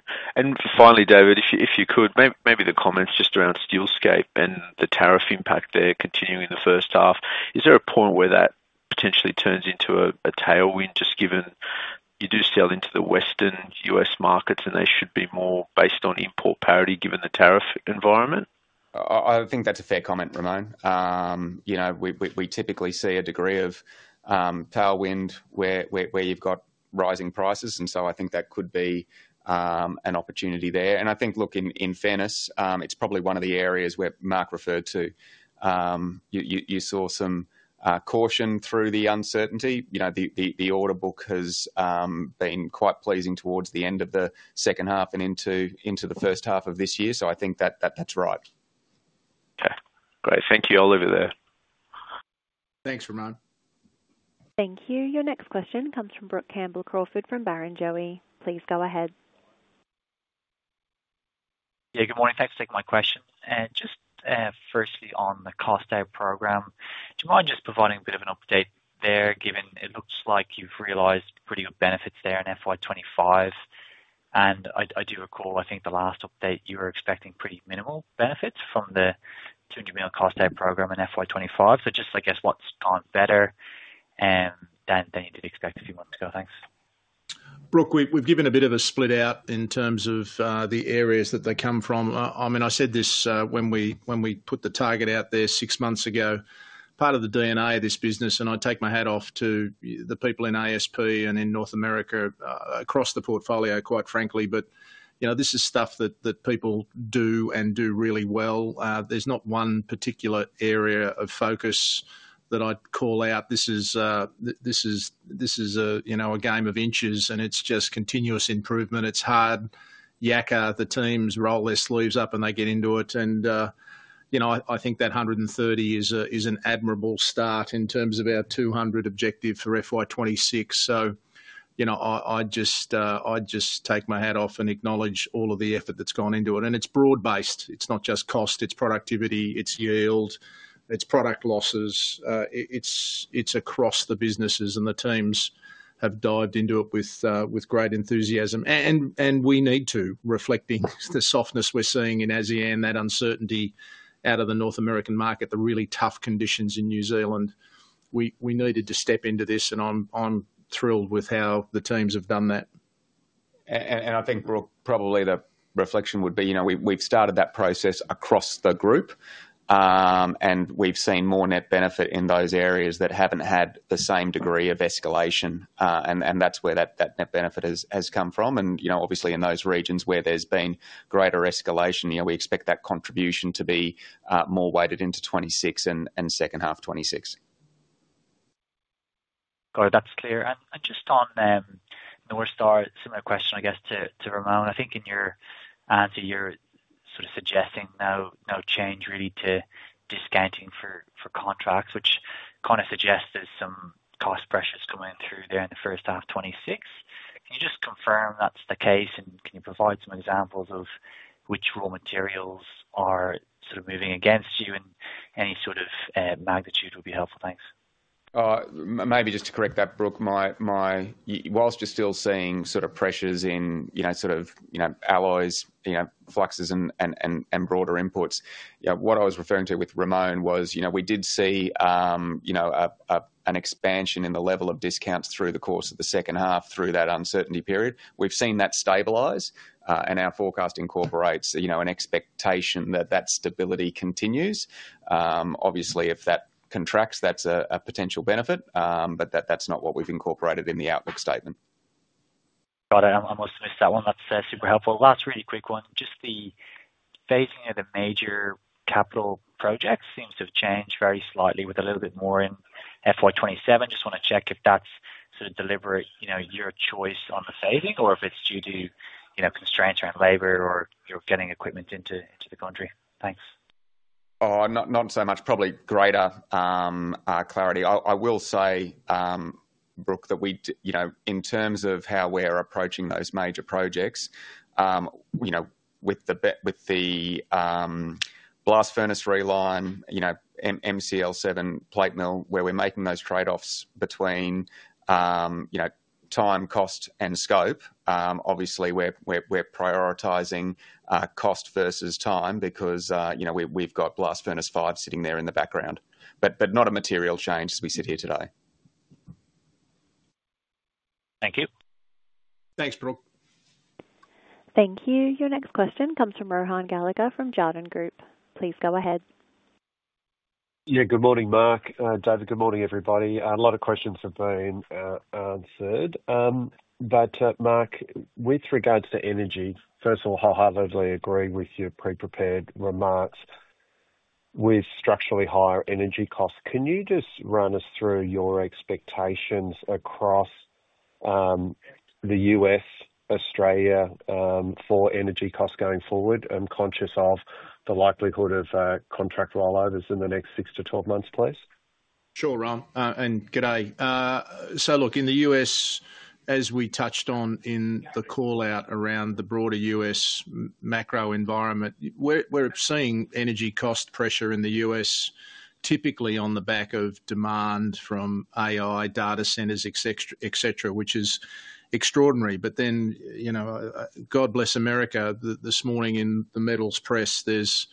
Finally, David, if you could, maybe the comments just around Steelscape and the tariff impact there continuing in the first half, is there a point where that potentially turns into a tailwind, just given you do sell into the Western U.S. markets and they should be more based on import parity, given the tariff environment? I think that's a fair comment, Ramoun. We typically see a degree of tailwind where you've got rising prices. I think that could be an opportunity there. In fairness, it's probably one of the areas where Mark referred to. You saw some caution through the uncertainty. The order book has been quite pleasing towards the end of the second half and into the first half of this year. I think that that's right. Okay, great. Thank you, Oliver, there. Thanks, Ramon. Thank you. Your next question comes from Brook Campbell-Crawford from Barrenjoey. Please go ahead. Good morning. Thanks for taking my question. Just firstly on the cost aid program, do you mind just providing a bit of an update there, given it looks like you've realized pretty good benefits there in FY 2025? I do recall, I think the last update you were expecting pretty minimal benefits from the 200 million cost aid program in FY 2025. Just, I guess, what's gone better than you did expect a few months ago? Thanks. Brooke, we've given a bit of a split out in terms of the areas that they come from. I mean, I said this when we put the target out there six months ago, part of the DNA of this business, and I take my hat off to the people in ASP and in North America across the portfolio, quite frankly. This is stuff that people do and do really well. There's not one particular area of focus that I'd call out. This is a game of inches, and it's just continuous improvement. It's hard. The team's roll list sleeves up and they get into it. I think that 130 million is an admirable start in terms of our 200 million objective for FY 2026. I just take my hat off and acknowledge all of the effort that's gone into it. It's broad-based. It's not just cost. It's productivity. It's yield. It's product losses. It's across the businesses, and the teams have dived into it with great enthusiasm. We need to, reflecting the softness we're seeing in ASEAN, that uncertainty out of the North American market, the really tough conditions in New Zealand. We needed to step into this, and I'm thrilled with how the teams have done that. I think, Brooke, probably the reflection would be, you know we've started that process across the group, and we've seen more net benefit in those areas that haven't had the same degree of escalation. That's where that net benefit has come from. Obviously, in those regions where there's been greater escalation, we expect that contribution to be more weighted into 2026 and second half 2026. Got it. That's clear. Just on North Star, a similar question, I guess, to Ramoun. I think in your answer, you're sort of suggesting no change really to discounting for contracts, which kind of suggests there's some cost pressures coming through there in the first half 2026. Can you just confirm that's the case, and can you provide some examples of which raw materials are sort of moving against you? Any sort of magnitude would be helpful. Thanks. Maybe just to correct that, Brooke, while you're still seeing pressures in alloys, fluxes, and broader inputs, what I was referring to with Ramoun was, you know we did see an expansion in the level of discounts through the course of the second half through that uncertainty period. We've seen that stabilize, and our forecast incorporates an expectation that that stability continues. Obviously, if that contracts, that's a potential benefit, but that's not what we've incorporated in the outlook statement. Got it. I almost missed that one. That's super helpful. Last really quick one, just the phasing of the major capital projects seems to have changed very slightly with a little bit more in FY 2027. Just want to check if that's sort of deliberate, your choice on the phasing, or if it's due to constraints around labor or you're getting equipment into the country. Thanks. Not so much. Probably greater clarity. I will say, Brook, that we, in terms of how we're approaching those major projects, with the blast furnace reline, MCL7 plate mill, where we're making those trade-offs between time, cost, and scope. Obviously, we're prioritizing cost versus time because we've got blast furnace five sitting there in the background. Not a material change as we sit here today. Thank you. Thanks, Brooke. Thank you. Your next question comes from Rohan Gallagher from Jarden. Please go ahead. Yeah, good morning, Mark. David, good morning, everybody. A lot of questions have been answered. Mark, with regards to energy, first of all, I highly agree with your pre-prepared remarks with structurally higher energy costs. Can you just run us through your expectations across the U.S., Australia, for energy costs going forward? I'm conscious of the likelihood of contract rollovers in the next 6-12 months, please. Sure, Ron. G'day. In the U.S., as we touched on in the call out around the broader U.S. macro environment, we're seeing energy cost pressure in the U.S. typically on the back of demand from AI, data centers, et cetera, which is extraordinary. You know, God Bless America, this morning in the Metals Press, there's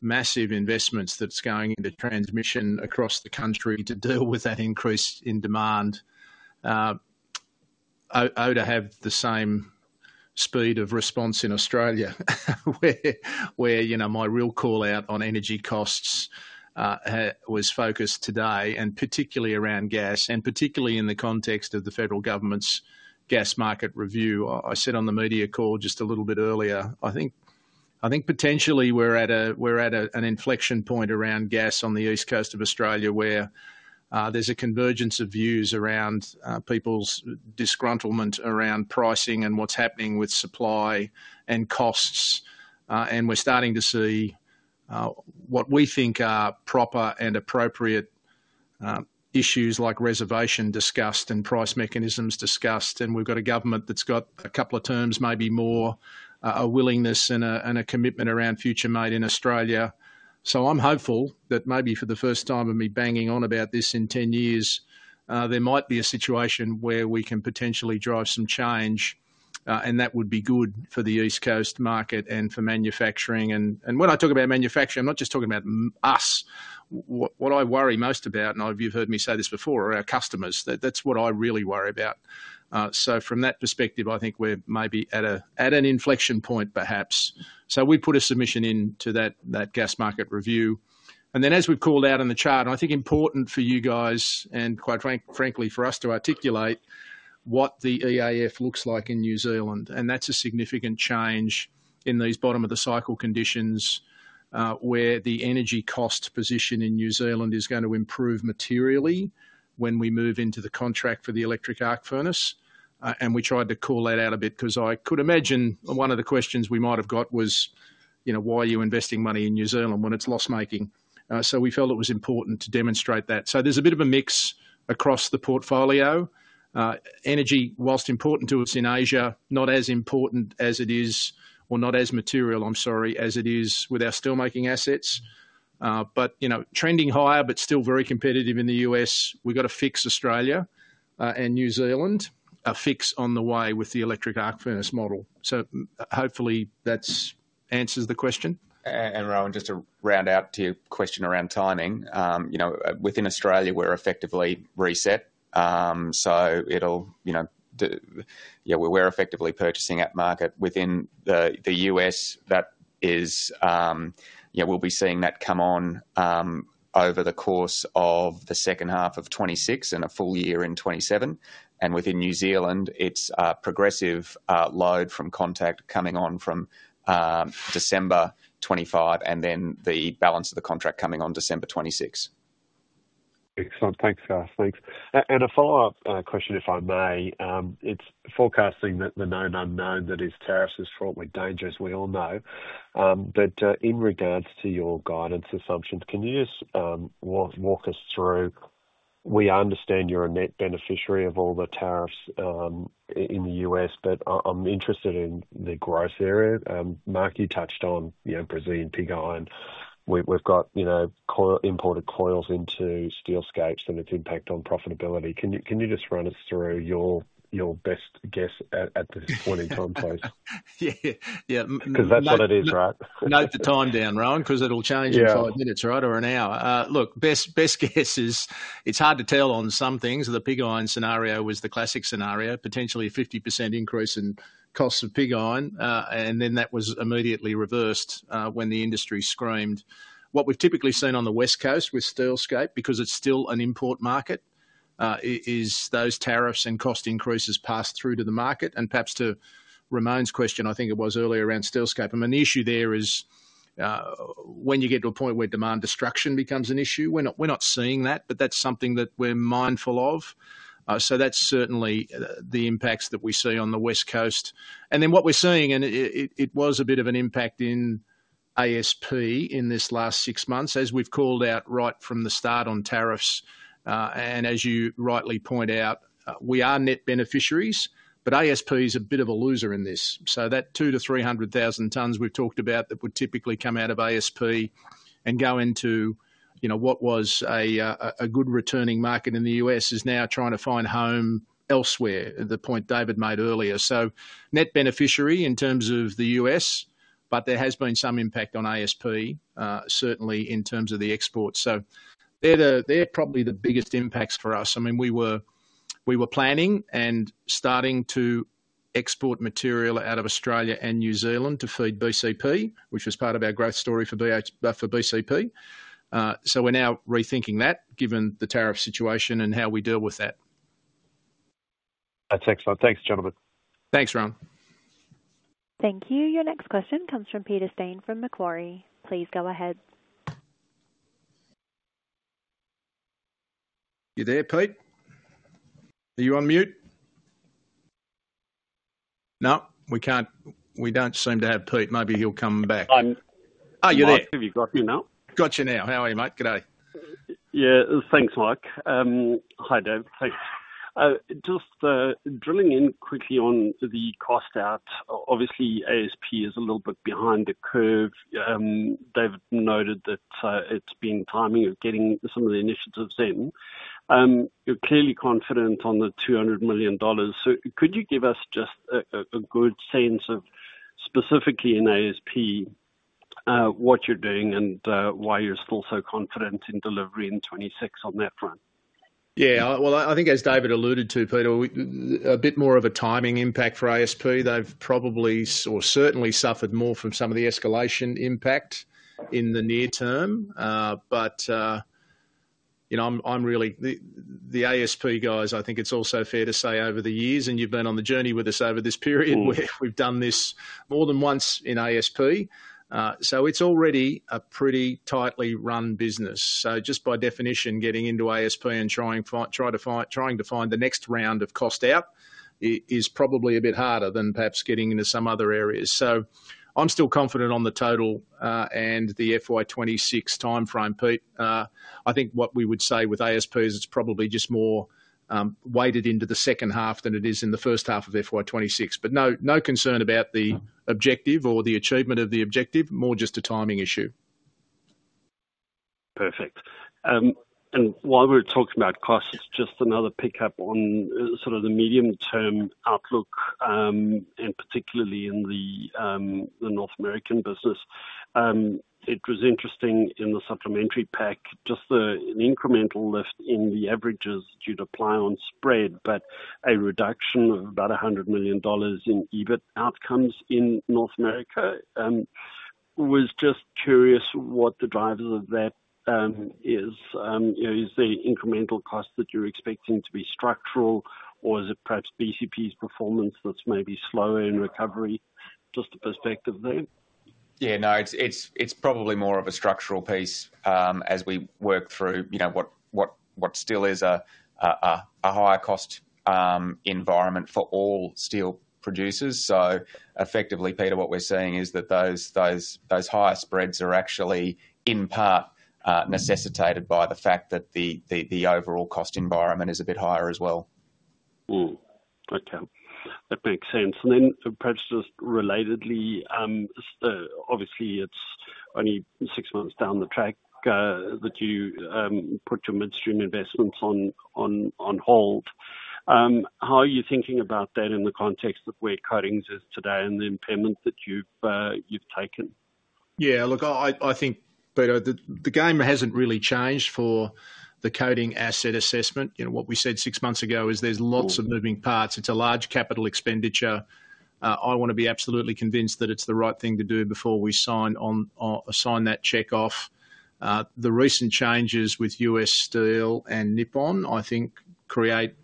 massive investments that's going into transmission across the country to deal with that increase in demand. To have the same speed of response in Australia, where my real call out on energy costs was focused today, and particularly around gas, and particularly in the context of the federal government's gas market review. I said on the media call just a little bit earlier, I think potentially we're at an inflection point around gas on the East Coast of Australia, where there's a convergence of views around people's disgruntlement around pricing and what's happening with supply and costs. We're starting to see what we think are proper and appropriate issues like reservation discussed and price mechanisms discussed. We've got a government that's got a couple of terms, maybe more, a willingness and a commitment around future made in Australia. I'm hopeful that maybe for the first time of me banging on about this in 10 years, there might be a situation where we can potentially drive some change, and that would be good for the East Coast market and for manufacturing. When I talk about manufacturing, I'm not just talking about us. What I worry most about, and you've heard me say this before, are our customers. That's what I really worry about. From that perspective, I think we're maybe at an inflection point, perhaps. We put a submission in to that gas market review. As we've called out in the chart, and I think important for you guys, and quite frankly for us to articulate, what the EAF looks like in New Zealand. That's a significant change in these bottom-of-the-cycle conditions, where the energy cost position in New Zealand is going to improve materially when we move into the contract for the electric arc furnace. We tried to call that out a bit because I could imagine one of the questions we might have got was, you know, why are you investing money in New Zealand when it's loss making? We felt it was important to demonstrate that. There's a bit of a mix across the portfolio. Energy, whilst important to us in Asia, is not as important as it is, or not as material, I'm sorry, as it is with our steelmaking assets. You know, trending higher, but still very competitive in the U.S. We've got a fix in Australia and New Zealand, a fix on the way with the electric arc furnace model. Hopefully that answers the question. Rohan, just to round out to your question around timing, within Australia, we're effectively reset. It'll, yeah, we're effectively purchasing at market. Within the U.S., that is, we'll be seeing that come on over the course of the second half of 2026 and a full year in 2027. Within New Zealand, it's a progressive load from contact coming on from December 2025 and then the balance of the contract coming on December 2026. Excellent. Thanks for that. Thanks. A follow-up question, if I may. It's forecasting the known unknown that is tariffs, which is fraught with danger, as we all know. In regards to your guidance assumptions, can you just walk us through? We understand you're a net beneficiary of all the tariffs in the U.S., but I'm interested in the growth area. Mark, you touched on Brazilian pig iron. We've got imported coils into Steelscape and its impact on profitability. Can you just run us through your best guess at this point in time? Because that's what it is, right? Note the time down, Rohan, because it'll change in five minutes, right, or an hour. Look, best guess is it's hard to tell on some things. The pig iron scenario was the classic scenario, potentially a 50% increase in costs of pig iron. That was immediately reversed when the industry screamed. What we've typically seen on the West Coast with Steelscape, because it's still an import market, is those tariffs and cost increases pass through to the market. Perhaps to Ramoun's question, I think it was earlier around Steelscape. An issue there is when you get to a point where demand destruction becomes an issue. We're not seeing that, but that's something that we're mindful of. That's certainly the impacts that we see on the West Coast. What we're seeing, and it was a bit of an impact in ASP in this last six months, as we've called out right from the start on tariffs. As you rightly point out, we are net beneficiaries, but ASP is a bit of a loser in this. That 200,000-300,000 tonnes we've talked about that would typically come out of ASP and go into, you know, what was a good returning market in the U.S. is now trying to find home elsewhere, the point David made earlier. Net beneficiary in terms of the U.S., but there has been some impact on ASP, certainly in terms of the exports. They're probably the biggest impacts for us. We were planning and starting to export material out of Australia and New Zealand to feed BCP, which was part of our growth story for BCP. We're now rethinking that given the tariff situation and how we deal with that. That's excellent. Thanks, gentlemen. Thanks, Ron. Thank you. Your next question comes from Peter Steyn from Macquarie. Please go ahead. You there, Pete? Are you on mute? No, we can't. We don't seem to have Pete. Maybe he'll come back. Oh, you're there. I've got you now. Got you now. How are you, mate? Good day. Yeah, thanks, Mike. Hi, David. Just drilling in quickly on the cost out. Obviously, ASP is a little bit behind the curve. They've noted that it's been timing of getting some of the initiatives in. You're clearly confident on the 200 million dollars. Could you give us just a good sense of specifically in ASP what you're doing and why you're still so confident in delivery in 2026 on that front? I think as David alluded to, Peter, a bit more of a timing impact for ASP. They've probably or certainly suffered more from some of the escalation impact in the near term. I'm really the ASP guys. I think it's also fair to say over the years, and you've been on the journey with us over this period where we've done this more than once in ASP. It's already a pretty tightly run business. Just by definition, getting into ASP and trying to find the next round of cost out is probably a bit harder than perhaps getting into some other areas. I'm still confident on the total and the FY 2026 timeframe, Pete. I think what we would say with ASP is it's probably just more weighted into the second half than it is in the first half of FY 2026. No concern about the objective or the achievement of the objective, more just a timing issue. Perfect. While we're talking about costs, just another pickup on sort of the medium-term outlook, particularly in the North American business. It was interesting in the supplementary pack, just an incremental lift in the averages due to ply on spread, but a reduction of about 100 million dollars in EBIT outcomes in North America. I was just curious what the drivers of that are. Is the incremental cost that you're expecting to be structural, or is it perhaps BCP's performance that's maybe slower in recovery? Just a perspective there. Yeah, no, it's probably more of a structural piece as we work through what still is a higher cost environment for all steel producers. Effectively, Peter, what we're seeing is that those higher spreads are actually in part necessitated by the fact that the overall cost environment is a bit higher as well. Okay, that makes sense. Perhaps just relatedly, obviously, it's only six months down the track that you put your midstream investments on hold. How are you thinking about that in the context of where coatings is today and the impairment that you've taken? Yeah, look, I think, Peter, the game hasn't really changed for the coating asset assessment. What we said six months ago is there's lots of moving parts. It's a large capital expenditure. I want to be absolutely convinced that it's the right thing to do before we sign that cheque off. The recent changes with U.S. Steel and Nippon Steel I think create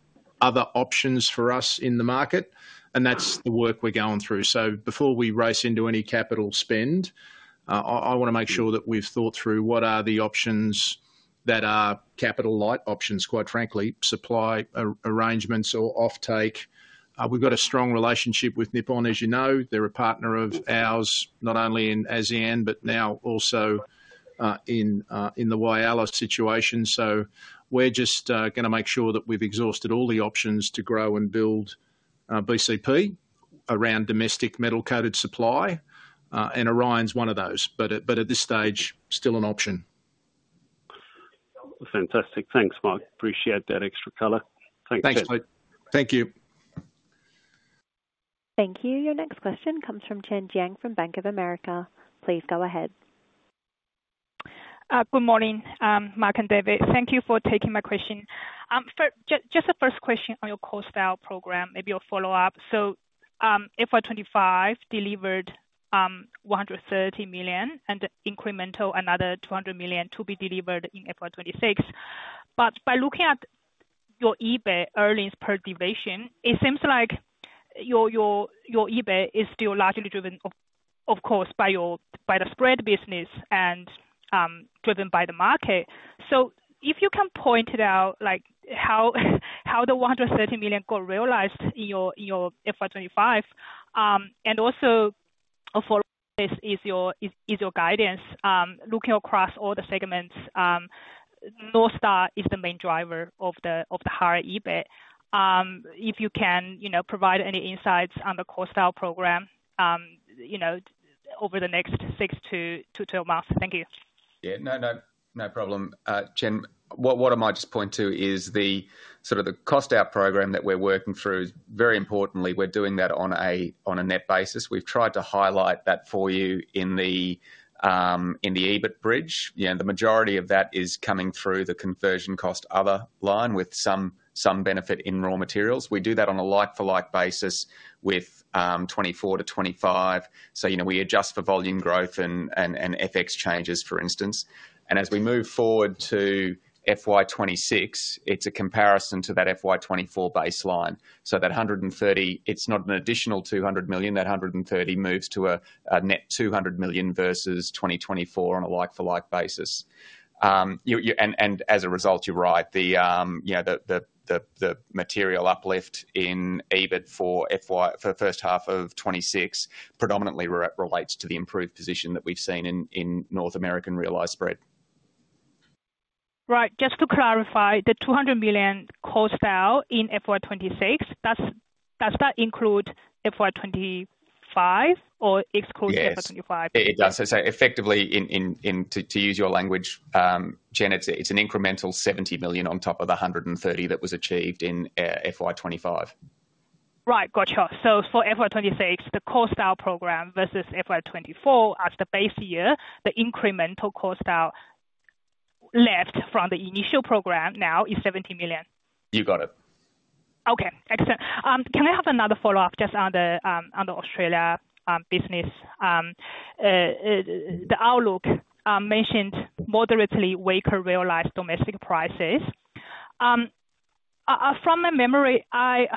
other options for us in the market, and that's the work we're going through. Before we race into any capital spend, I want to make sure that we've thought through what are the options that are capital light options, quite frankly, supply arrangements or off-take. We've got a strong relationship with Nippon Steel, as you know. They're a partner of ours, not only in ASEAN, but now also in the Whyalla situation. We're just going to make sure that we've exhausted all the options to grow and build BCP around domestic metal coated supply. Orion's one of those, but at this stage, still an option. Fantastic. Thanks, Mike. Appreciate that extra color. Thanks, Pete. Thanks, Pete. Thank you. Thank you. Your next question comes from Chen Jiang from Bank of America. Please go ahead. Good morning, Mark and David. Thank you for taking my question. Just a first question on your cost style program, maybe your follow-up. FY 2025 delivered 130 million and incremental another 200 million to be delivered in FY 2026. By looking at your EBIT earnings per division, it seems like your EBIT is still largely driven, of course, by the spread business and driven by the market. If you can point it out, like how the 130 million got realized in your FY 2025, and also for is your guidance looking across all the segments, North Star is the main driver of the higher EBIT. If you can provide any insights on the cost style program over the next 6-12 months, thank you. Yeah, no problem. Chen, what I might just point to is the. The cost out program that we're working through, very importantly, we're doing that on a net basis. We've tried to highlight that for you in the EBIT bridge. The majority of that is coming through the conversion cost other line with some benefit in raw materials. We do that on a like-for-like basis with 2024-2025. We adjust for volume growth and FX changes, for instance. As we move forward to FY 2026, it's a comparison to that FY 2024 baseline. That 130 million, it's not an additional 200 million. That 130 million moves to a net 200 million versus 2024 on a like-for-like basis. As a result, you're right. The material uplift in EBIT for the first half of 2026 predominantly relates to the improved position that we've seen in North American real-life spread. Right. Just to clarify, the 200 million cost out in FY 2026, does that include FY 2025 or exclude FY 2025? It does. To use your language, Jen, it's an incremental 70 million on top of the 130 million that was achieved in FY 2025. Right. Gotcha. For FY 2026, the cost out program versus FY 2024, after base year, the incremental cost out left from the initial program now is 70 million. You got it. Okay. Excellent. Can I have another follow-up just on the Australia business? The outlook mentioned moderately weaker real-life domestic prices. From my memory, I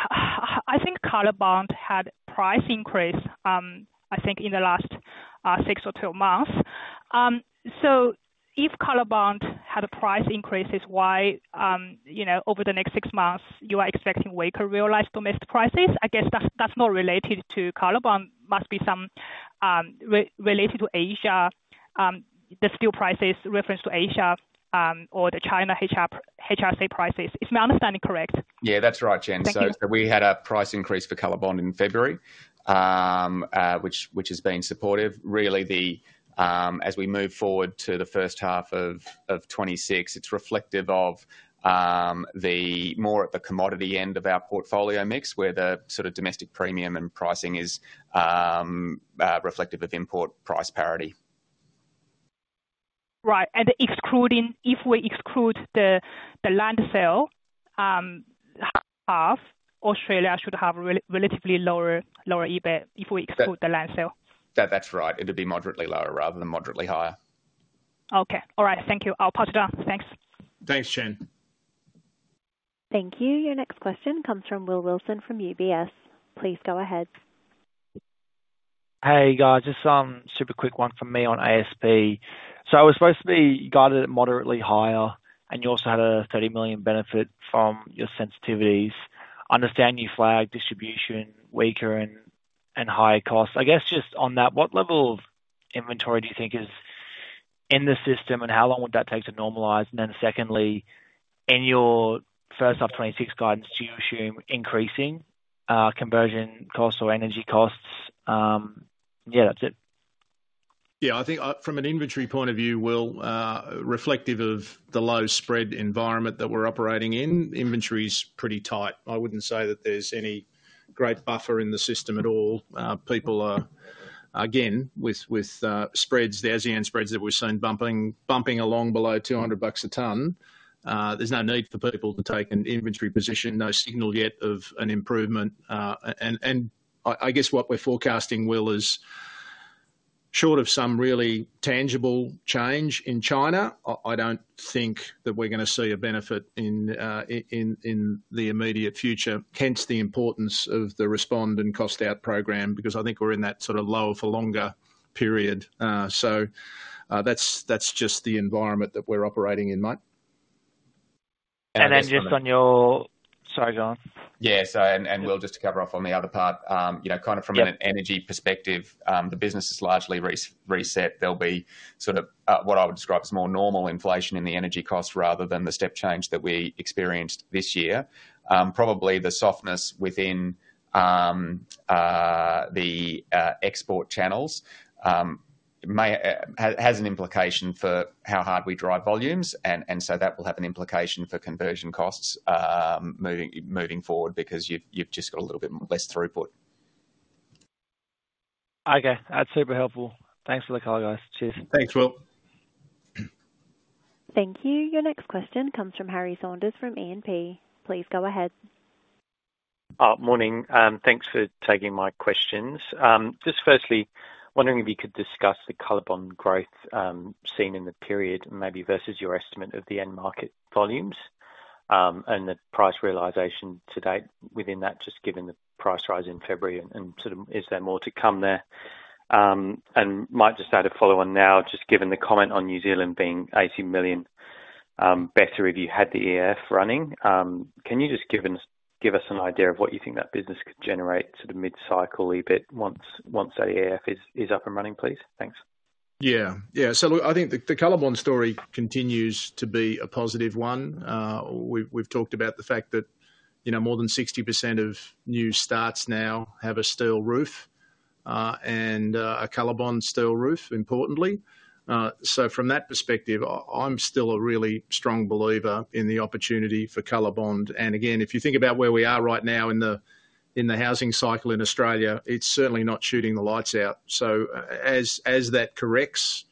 think COLORBOND steel had a price increase, I think, in the last 6-12 months. If COLORBOND steel had a price increase, why, you know, over the next six months, you are expecting weaker real-life domestic prices? I guess that's not related to COLORBOND steel. Must be some related to Asia, the steel prices reference to Asia or the China HRC prices. Is my understanding correct? Yeah, that's right, Jen. We had a price increase for COLORBOND steel in February, which has been supportive. Really, as we move forward to the first half of 2026, it's reflective of the more at the commodity end of our portfolio mix, where the sort of domestic premium and pricing is reflective of import price parity. Right. If we exclude the land sale, half Australia should have a relatively lower EBIT if we exclude the land sale. That's right. It would be moderately lower rather than moderately higher. All right. Thank you. I'll pass it on. Thanks. Thanks, Jen. Thank you. Your next question comes from Will Wilson from UBS. Please go ahead. Hey, guys. Just a super quick one from me on ASP. I was supposed to be guided at moderately higher and you also had a 30 million benefit from your sensitivities. I understand you flag distribution weaker and higher costs. I guess just on that, what level of inventory do you think is in the system and how long would that take to normalize? In your first half of 2026 guidance, do you assume increasing conversion costs or energy costs? Yeah, that's it. Yeah, I think from an inventory point of view, Will, reflective of the low spread environment that we're operating in, inventory is pretty tight. I wouldn't say that there's any great buffer in the system at all. People are, again, with spreads, the ASEAN spreads that we've seen bumping along below 200 bucks a ton, there's no need for people to take an inventory position. No signal yet of an improvement. I guess what we're forecasting, Will, is short of some really tangible change in China, I don't think that we're going to see a benefit in the immediate future, hence the importance of the respond and cost out program because I think we're in that sort of low for longer period. That's just the environment that we're operating in, Mike. Just to cover off on the other part, you know, kind of from an energy perspective, the business is largely reset. There'll be sort of what I would describe as more normal inflation in the energy costs rather than the step change that we experienced this year. Probably the softness within the export channels has an implication for how hard we drive volumes, and that will have an implication for conversion costs moving forward because you've just got a little bit less throughput. Okay. That's super helpful. Thanks for the call, guys. Cheers. Thanks, Will. Thank you. Your next question comes from Harry Saunders from E&P. Please go ahead. Morning. Thanks for taking my questions. Firstly, wondering if you could discuss the COLORBOND steel growth seen in the period, maybe versus your estimate of the end market volumes and the price realization to date within that, just given the price rise in February. Is there more to come there? Mike, just add a follow-on now, given the comment on New Zealand being 18 million better if you had the EAF running. Can you give us an idea of what you think that business could generate mid-cycle EBIT once that EAF is up and running, please? Thanks. Yeah. Yeah. Look, I think the COLORBOND story continues to be a positive one. We've talked about the fact that more than 60% of new starts now have a steel roof and a COLORBOND steel roof, importantly. From that perspective, I'm still a really strong believer in the opportunity for COLORBOND. If you think about where we are right now in the housing cycle in Australia, it's certainly not shooting the lights out. As that corrects,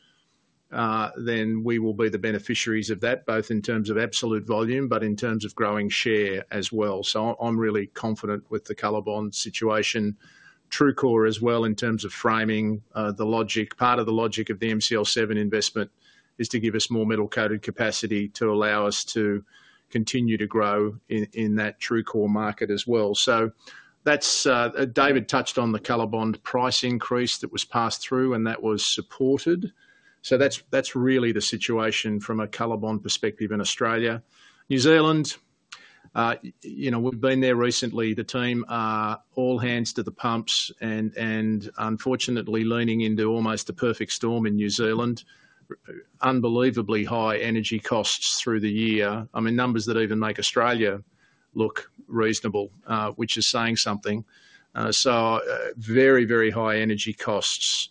we will be the beneficiaries of that, both in terms of absolute volume and in terms of growing share as well. I'm really confident with the COLORBOND situation. TRUECORE as well in terms of framing the logic. Part of the logic of the MCL7 investment is to give us more metal coated capacity to allow us to continue to grow in that TRUECORE market as well. David touched on the COLORBOND price increase that was passed through and that was supported. That's really the situation from a COLORBOND perspective in Australia. New Zealand, we've been there recently. The team are all hands to the pumps and unfortunately leaning into almost a perfect storm in New Zealand. Unbelievably high energy costs through the year, numbers that even make Australia look reasonable, which is saying something. Very, very high energy costs,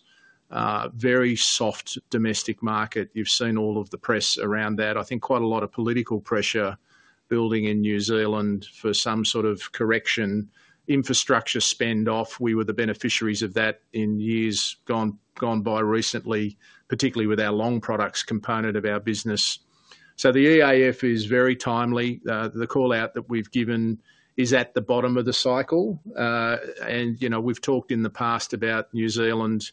very soft domestic market. You've seen all of the press around that. I think quite a lot of political pressure building in New Zealand for some sort of correction, infrastructure spend off. We were the beneficiaries of that in years gone by recently, particularly with our long products component of our business. The EAF is very timely. The call out that we've given is at the bottom of the cycle. We've talked in the past about New Zealand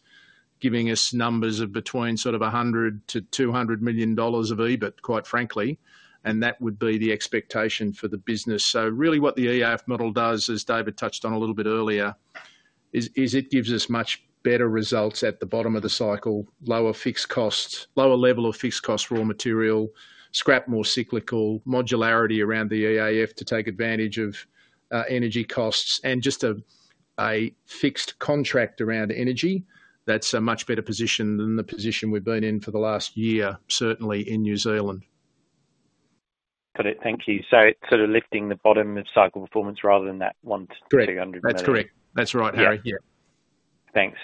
giving us numbers of between 100 million-200 million dollars of EBIT, quite frankly. That would be the expectation for the business. What the EAF model does, as David touched on a little bit earlier, is it gives us much better results at the bottom of the cycle, lower fixed costs, lower level of fixed cost raw material, scrap more cyclical, modularity around the EAF to take advantage of energy costs, and just a fixed contract around energy that's a much better position than the position we've been in for the last year, certainly in New Zealand. Got it. Thank you. It's sort of lifting the bottom of cycle performance rather than that 100 million-200 million. That's correct. That's right, Harry. Yeah. Thanks.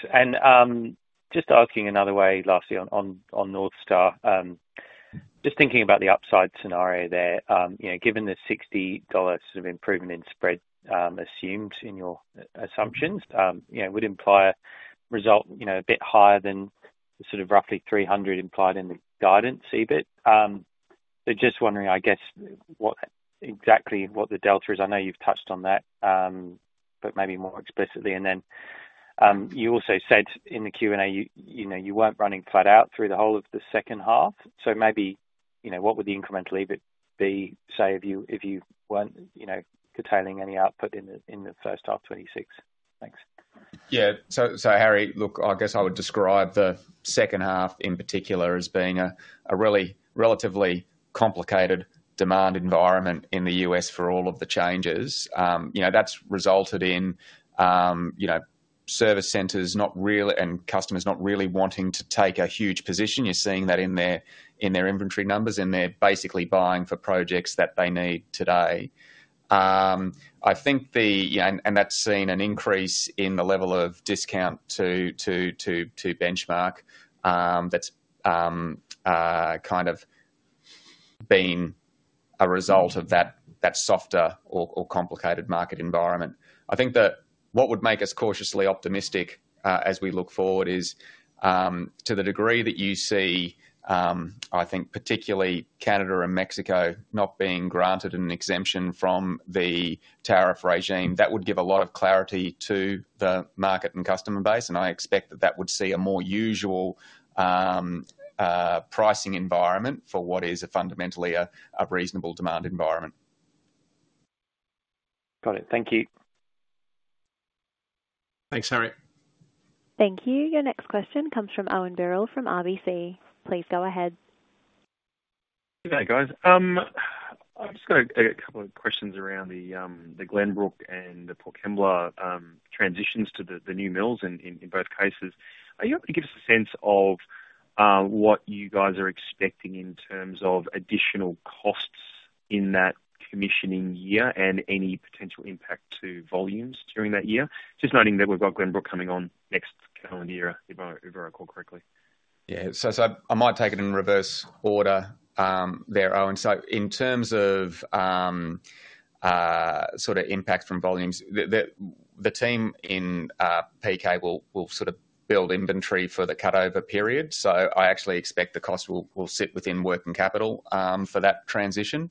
Just asking another way last year on North Star, just thinking about the upside scenario there, given the 60 dollar sort of improvement in spread assumed in your assumptions, it would imply a result a bit higher than roughly 300 million implied in the guidance EBIT. Just wondering, I guess, what exactly the delta is? I know you've touched on that, but maybe more explicitly. You also said in the Q&A you weren't running flat out through the whole of the second half. Maybe, what would the incremental EBIT be, say, if you weren't curtailing any output in the first half of 2026? Thanks. Yeah. Harry, I guess I would describe the second half in particular as being a really relatively complicated demand environment in the U.S. for all of the changes. That's resulted in service centers and customers not really wanting to take a huge position. You're seeing that in their inventory numbers, and they're basically buying for projects that they need today. I think that's seen an increase in the level of discount to benchmark. That's kind of been a result of that softer or complicated market environment. What would make us cautiously optimistic as we look forward is to the degree that you see, particularly Canada and Mexico not being granted an exemption from the tariff regime. That would give a lot of clarity to the market and customer base, and I expect that would see a more usual pricing environment for what is fundamentally a reasonable demand environment. Got it. Thank you. Thanks, Harry. Thank you. Your next question comes from Owen Birrell from RBC. Please go ahead. Hey, guys. I've just got a couple of questions around the Glenbrook and the Port Kembla transitions to the new mills in both cases. Are you able to give us a sense of what you guys are expecting in terms of additional costs in that commissioning year and any potential impact to volumes during that year? Just noting that we've got Glenbrook coming on next calendar year if I recall correctly. I might take it in reverse order there, Owen. In terms of impact from volumes, the team in PK will build inventory for the cutover period. I actually expect the cost will sit within working capital for that transition.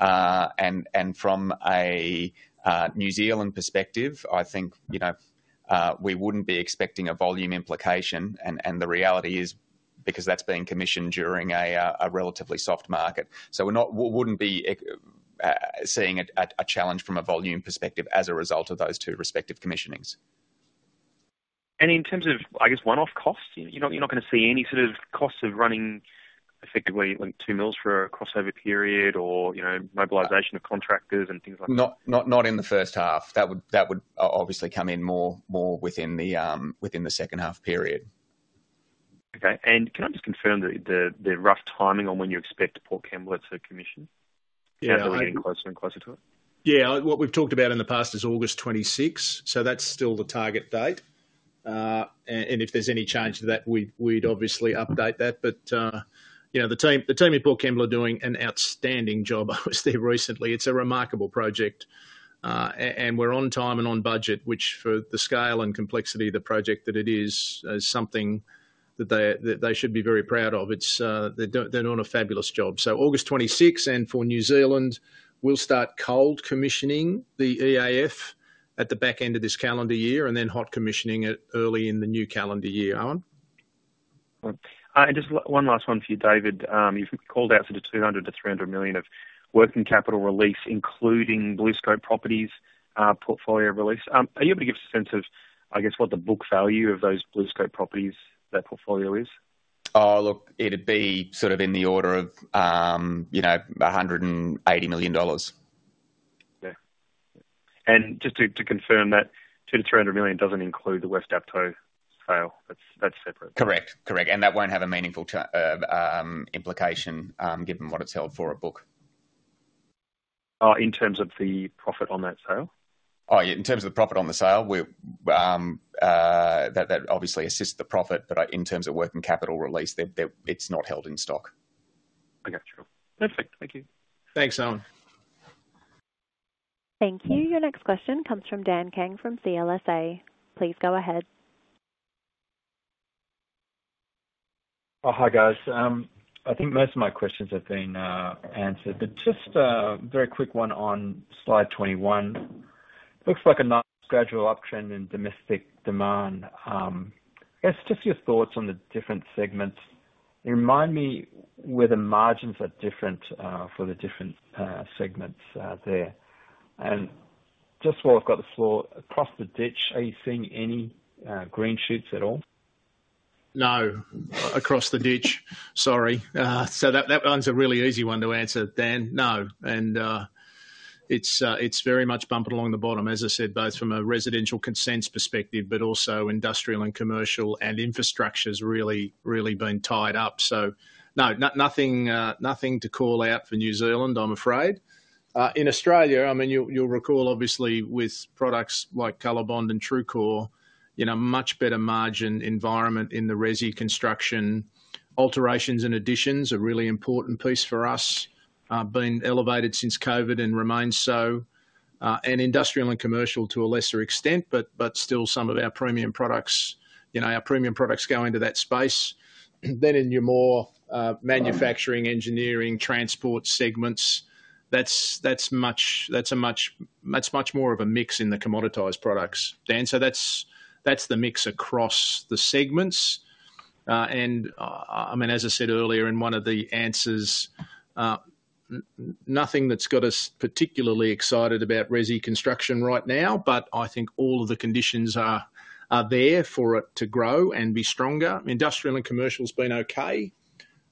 From a New Zealand perspective, we wouldn't be expecting a volume implication. The reality is that's being commissioned during a relatively soft market, so we wouldn't be seeing a challenge from a volume perspective as a result of those two respective commissionings. In terms of, I guess, one-off costs, you're not going to see any sort of costs of running effectively like two mills for a crossover period, or, you know, mobilization of contractors and things like that? Not in the first half. That would obviously come in more within the second half period. Okay. Can I just confirm the rough timing on when you expect Port Kembla to commission? Yeah. Closer and closer to it? Yeah. What we've talked about in the past is August 26th. That's still the target date. If there's any change to that, we'd obviously update that. The team at Port Kembla are doing an outstanding job, obviously, recently. It's a remarkable project. We're on time and on budget, which for the scale and complexity of the project that it is, is something that they should be very proud of. They're doing a fabulous job. August 26th. For New Zealand, we'll start cold commissioning the EAF at the back end of this calendar year and then hot commissioning early in the new calendar year, Owen. Just one last one for you, David. You've called out for the 200 million-300 million of working capital release, including BlueScope properties portfolio release. Are you able to give us a sense of, I guess, what the book value of those BlueScope properties, that portfolio is? Look, it'd be sort of in the order of, you know, 180 million dollars. Yes, just to confirm, that 200 million-300 million doesn't include the West Dapto sale. That's separate. Correct. Correct. That won't have a meaningful implication given what it's held for a book. In terms of the profit on that sale? Yeah. In terms of the profit on the sale, that obviously assists the profit. In terms of working capital release, it's not held in stock. Okay. Sure. Perfect. Thank you. Thanks, Owen. Thank you. Your next question comes from Daniel Kang from CLSA. Please go ahead. Hi, guys. I think most of my questions have been answered, but just a very quick one on slide 21. It looks like a nice gradual uptrend in domestic demand. I guess just your thoughts on the different segments. You remind me where the margin for the different segments are there. Just while I've got the floor, across the ditch, are you seeing any green shoots at all? No. Across the ditch. Sorry. That one's a really easy one to answer, Dan. No. It's very much bumped along the bottom, as I said, both from a residential consents perspective, but also industrial and commercial, and infrastructure's really, really been tied up. No, nothing to call out for New Zealand, I'm afraid. In Australia, you'll recall, obviously, with products like COLORBOND steel and TRUECORE, much better margin environment in the resi construction. Alterations and additions are a really important piece for us, been elevated since COVID and remain so. Industrial and commercial to a lesser extent, but still some of our premium products, our premium products go into that space. In your more manufacturing, engineering, transport segments, that's much more of a mix in the commoditized products, Dan. That's the mix across the segments. As I said earlier in one of the answers, nothing that's got us particularly excited about resi construction right now, but I think all of the conditions are there for it to grow and be stronger. Industrial and commercial's been okay.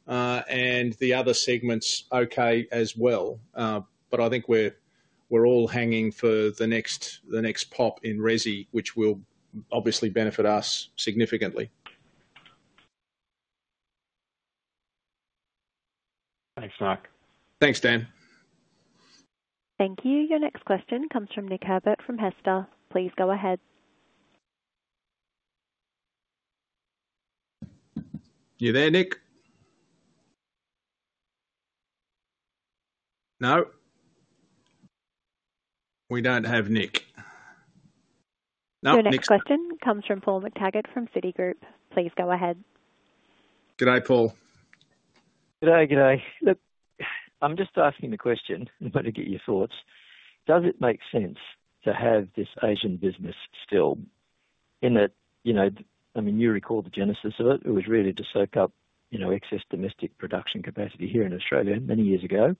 The other segments okay as well. I think we're all hanging for the next pop in resi, which will obviously benefit us significantly. Thanks, Mark. Thanks, Dan. Thank you. Your next question comes from Nick Herbert from Jarden. Please go ahead. You there, Nick? No, we don't have Nick. Your next question comes from Paul McTaggart from Citi. Please go ahead. Good day, Paul. Good day, good day. I'm just asking the question. I'm going to get your thoughts. Does it make sense to have this Asia business still in that? You know, you recall the genesis of it. It was really to soak up excess domestic production capacity here in Australia many years ago.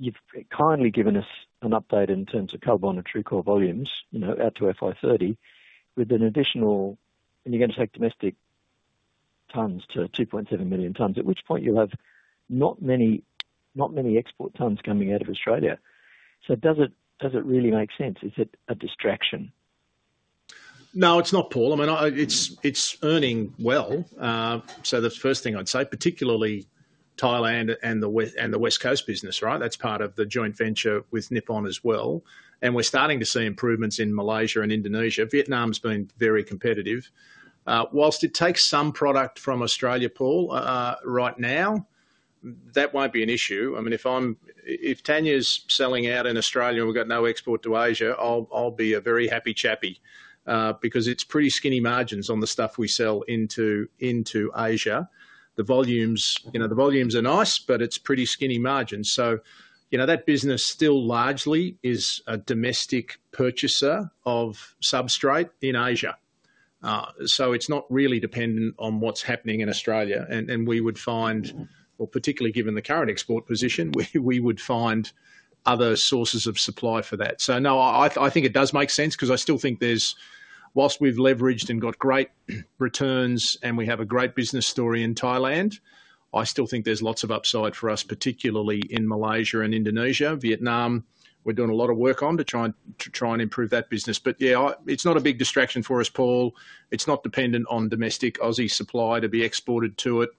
You've kindly given us an update in terms of COLORBOND steel and TRUECORE volumes out to FY 2030 with an additional, and you're going to take domestic tons to 2.7 million tons, at which point you'll have not many export tons coming out of Australia. Does it really make sense? Is it a distraction? No, it's not, Paul. I mean, it's earning well. The first thing I'd say, particularly Thailand and the West Coast business, right? That's part of the joint venture with Nippon Steel as well. We're starting to see improvements in Malaysia and Indonesia. Vietnam's been very competitive. Whilst it takes some product from Australia, Paul, right now, that won't be an issue. I mean, if Tania's selling out in Australia and we've got no export to Asia, I'll be a very happy chappy because it's pretty skinny margins on the stuff we sell into Asia. The volumes, you know, the volumes are nice, but it's pretty skinny margins. That business still largely is a domestic purchaser of substrate in Asia, so it's not really dependent on what's happening in Australia. We would find, particularly given the current export position, we would find other sources of supply for that. No, I think it does make sense because I still think there's, whilst we've leveraged and got great returns and we have a great business story in Thailand, I still think there's lots of upside for us, particularly in Malaysia and Indonesia. Vietnam, we're doing a lot of work on to try and improve that business. It's not a big distraction for us, Paul. It's not dependent on domestic Aussie supply to be exported to it,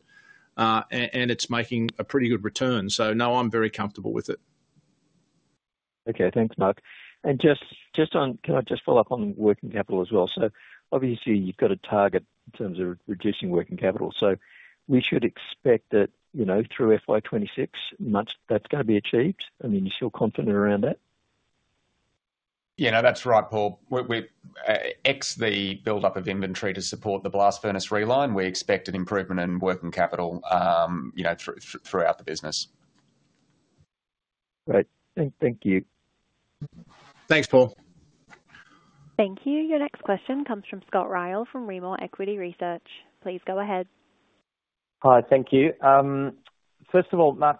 and it's making a pretty good return. No, I'm very comfortable with it. Okay. Thanks, Mark. Just on, can I just follow up on working capital as well? Obviously, you've got a target in terms of reducing working capital. We should expect that, you know, through FY 2026, much that's going to be achieved. I mean, you're still confident around that? Yeah, no, that's right, Paul. We're ex the buildup of inventory to support the blast furnace reline. We expect an improvement in working capital throughout the business. Great. Thank you. Thanks, Paul. Thank you. Your next question comes from Scott Ryall from Rimor Equity Research. Please go ahead. Hi, thank you. First of all, Mark,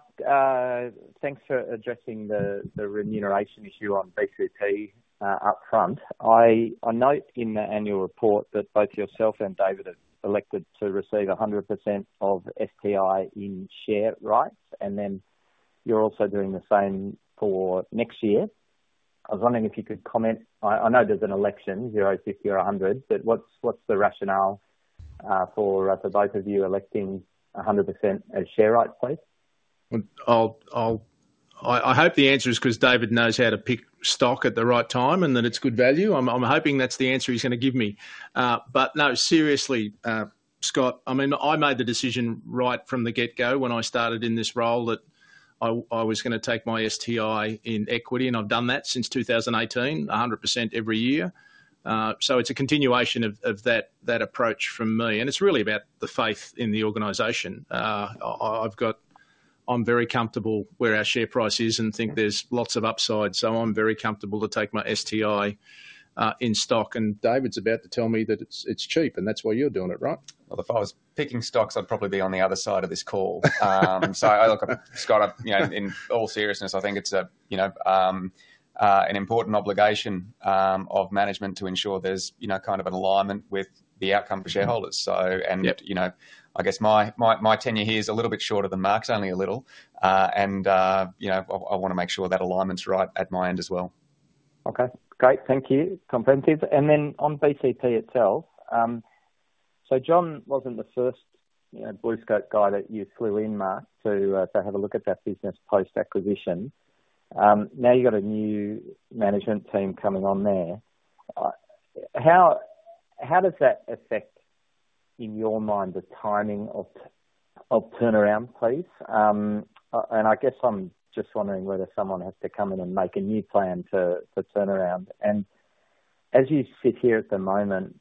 thanks for addressing the remuneration issue on B2P upfront. I note in the annual report that both yourself and David have elected to receive 100% of SPI in share rights, and then you're also doing the same for next year. I was wondering if you could comment. I know there's an election, 0-50 or 100, but what's the rationale for both of you electing 100% as share rights, please? I hope the answer is because David knows how to pick stock at the right time and that it's good value. I'm hoping that's the answer he's going to give me. No, seriously, Scott, I made the decision right from the get-go when I started in this role that I was going to take my STI in equity, and I've done that since 2018, 100% every year. It's a continuation of that approach from me. It's really about the faith in the organization. I've got, I'm very comfortable where our share price is and think there's lots of upside. I'm very comfortable to take my STI in stock. David's about to tell me that it's cheap. That's why you're doing it, right? If I was picking stocks, I'd probably be on the other side of this call. Look, Scott, in all seriousness, I think it's an important obligation of management to ensure there's kind of an alignment with the outcome for shareholders. I guess my tenure here is a little bit shorter than Mark's, only a little. I want to make sure that alignment's right at my end as well. Okay. Great. Thank you. Comprehensive. On BCP itself, John wasn't the first BlueScope guy that you flew in, Mark, to have a look at that business post-acquisition. Now you've got a new management team coming on there. How does that affect, in your mind, the timing of turnaround, please? I'm just wondering whether someone has to come in and make a new plan to turn around. As you sit here at the moment,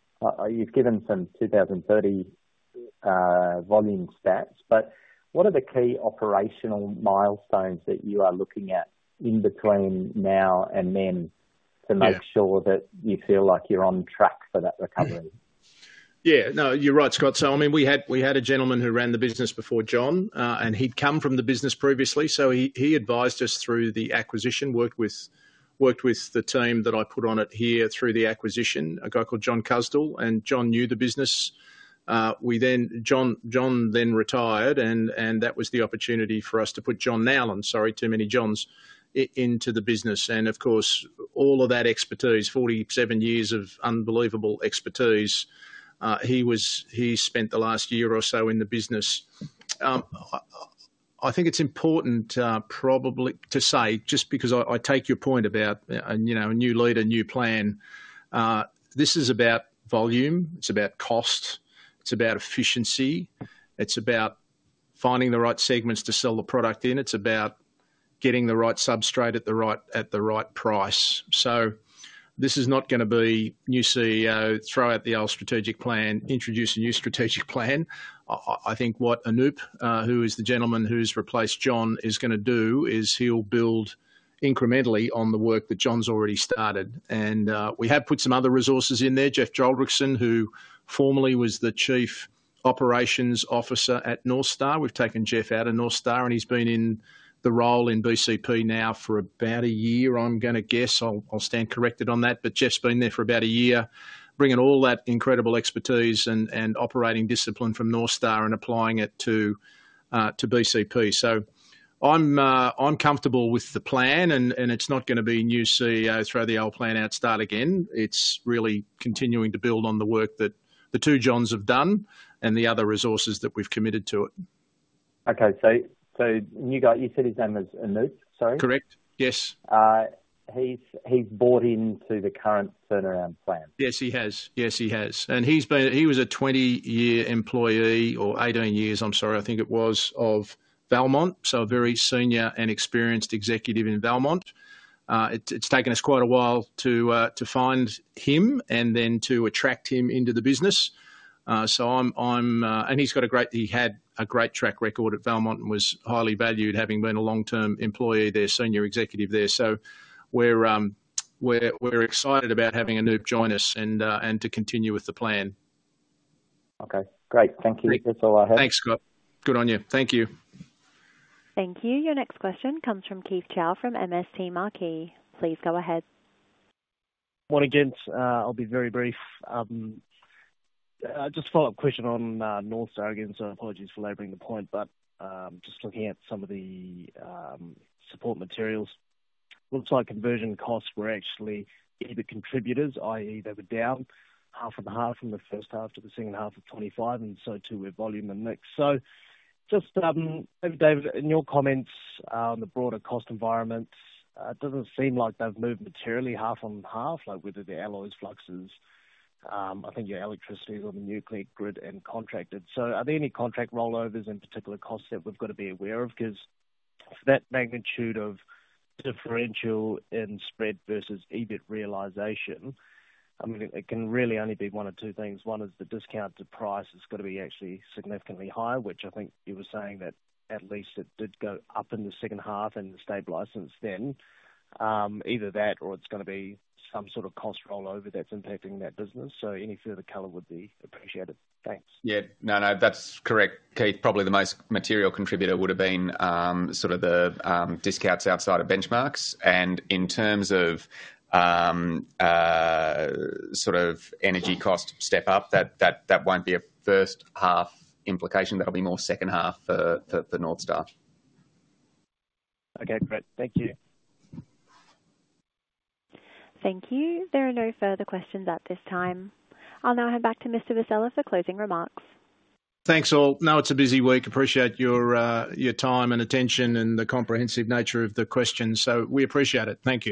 you've given some 2030 volume stats, but what are the key operational milestones that you are looking at in between now and then to make sure that you feel like you're on track for that recovery? Yeah, no, you're right, Scott. We had a gentleman who ran the business before John, and he'd come from the business previously. He advised us through the acquisition, worked with the team that I put on it here through the acquisition, a guy called John Costell. John knew the business. John then retired, and that was the opportunity for us to put John Nowlan, sorry, too many Johns, into the business. All of that expertise, 47 years of unbelievable expertise, he spent the last year or so in the business. I think it's important probably to say, just because I take your point about a new leader, new plan, this is about volume, it's about cost, it's about efficiency, it's about finding the right segments to sell the product in, it's about getting the right substrate at the right price. This is not going to be new CEO, throw out the old strategic plan, introduce a new strategic plan. I think what Anoop, who is the gentleman who's replaced John, is going to do is he'll build incrementally on the work that John's already started. We have put some other resources in there, Jeff Joldrichsen, who formerly was the Chief Operations Officer at North Star. We've taken Jeff out of North Star, and he's been in the role in BCP now for about a year. I'm going to guess I'll stand corrected on that, but Jeff's been there for about a year, bringing all that incredible expertise and operating discipline from North Star and applying it to BCP. I'm comfortable with the plan, and it's not going to be new CEO, throw the old plan out, start again. It's really continuing to build on the work that the two Johns have done and the other resources that we've committed to it. Okay. You said his name was Anoop, sorry? Correct. Yes. He's bought into the current turnaround plan? Yes, he has. He's been a 20-year employee or 18 years, I'm sorry, I think it was, of Belmont. A very senior and experienced executive in Belmont. It's taken us quite a while to find him and then to attract him into the business. He's got a great, he had a great track record at Belmont and was highly valued, having been a long-term employee there, Senior Executive there. We're excited about having Anoop join us and to continue with the plan. Okay. Great. Thank you. That's all I have. Thanks, Scott. Good on you. Thank you. Thank you. Your next question comes from Keith Chau from MST Marquee. Please go ahead. Once again, I'll be very brief. Just a follow-up question on North Star, again. Apologies for laboring the point, but just looking at some of the support materials, it looks like conversion costs were actually either contributors, i.e., they were down half and half from the first half to the second half of 2025, and so too were volume and mix. Maybe, David, in your comments on the broader cost environments, it doesn't seem like they've moved materially half on half, like whether the alloys, fluxes. I think your electricity is on the nuclear grid and contracted. Are there any contract rollovers and particular costs that we've got to be aware of? For that magnitude of differential in spread versus EBIT realization, it can really only be one of two things. One is the discounted price has got to be actually significantly higher, which I think you were saying that at least it did go up in the second half and stabilized since then. Either that or it's going to be some sort of cost rollover that's impacting that business. Any further color would be appreciated. Thanks. Yeah, no, no, that's correct. Keith, probably the most material contributor would have been sort of the discounts outside of benchmarks. In terms of sort of energy cost step up, that won't be a first-half implication. That'll be more second-half for North Star. Okay. Great. Thank you. Thank you. There are no further questions at this time. I'll now hand back to Mr. Vassella for closing remarks. Thanks, all. I know it's a busy week. Appreciate your time and attention, and the comprehensive nature of the questions. We appreciate it. Thank you.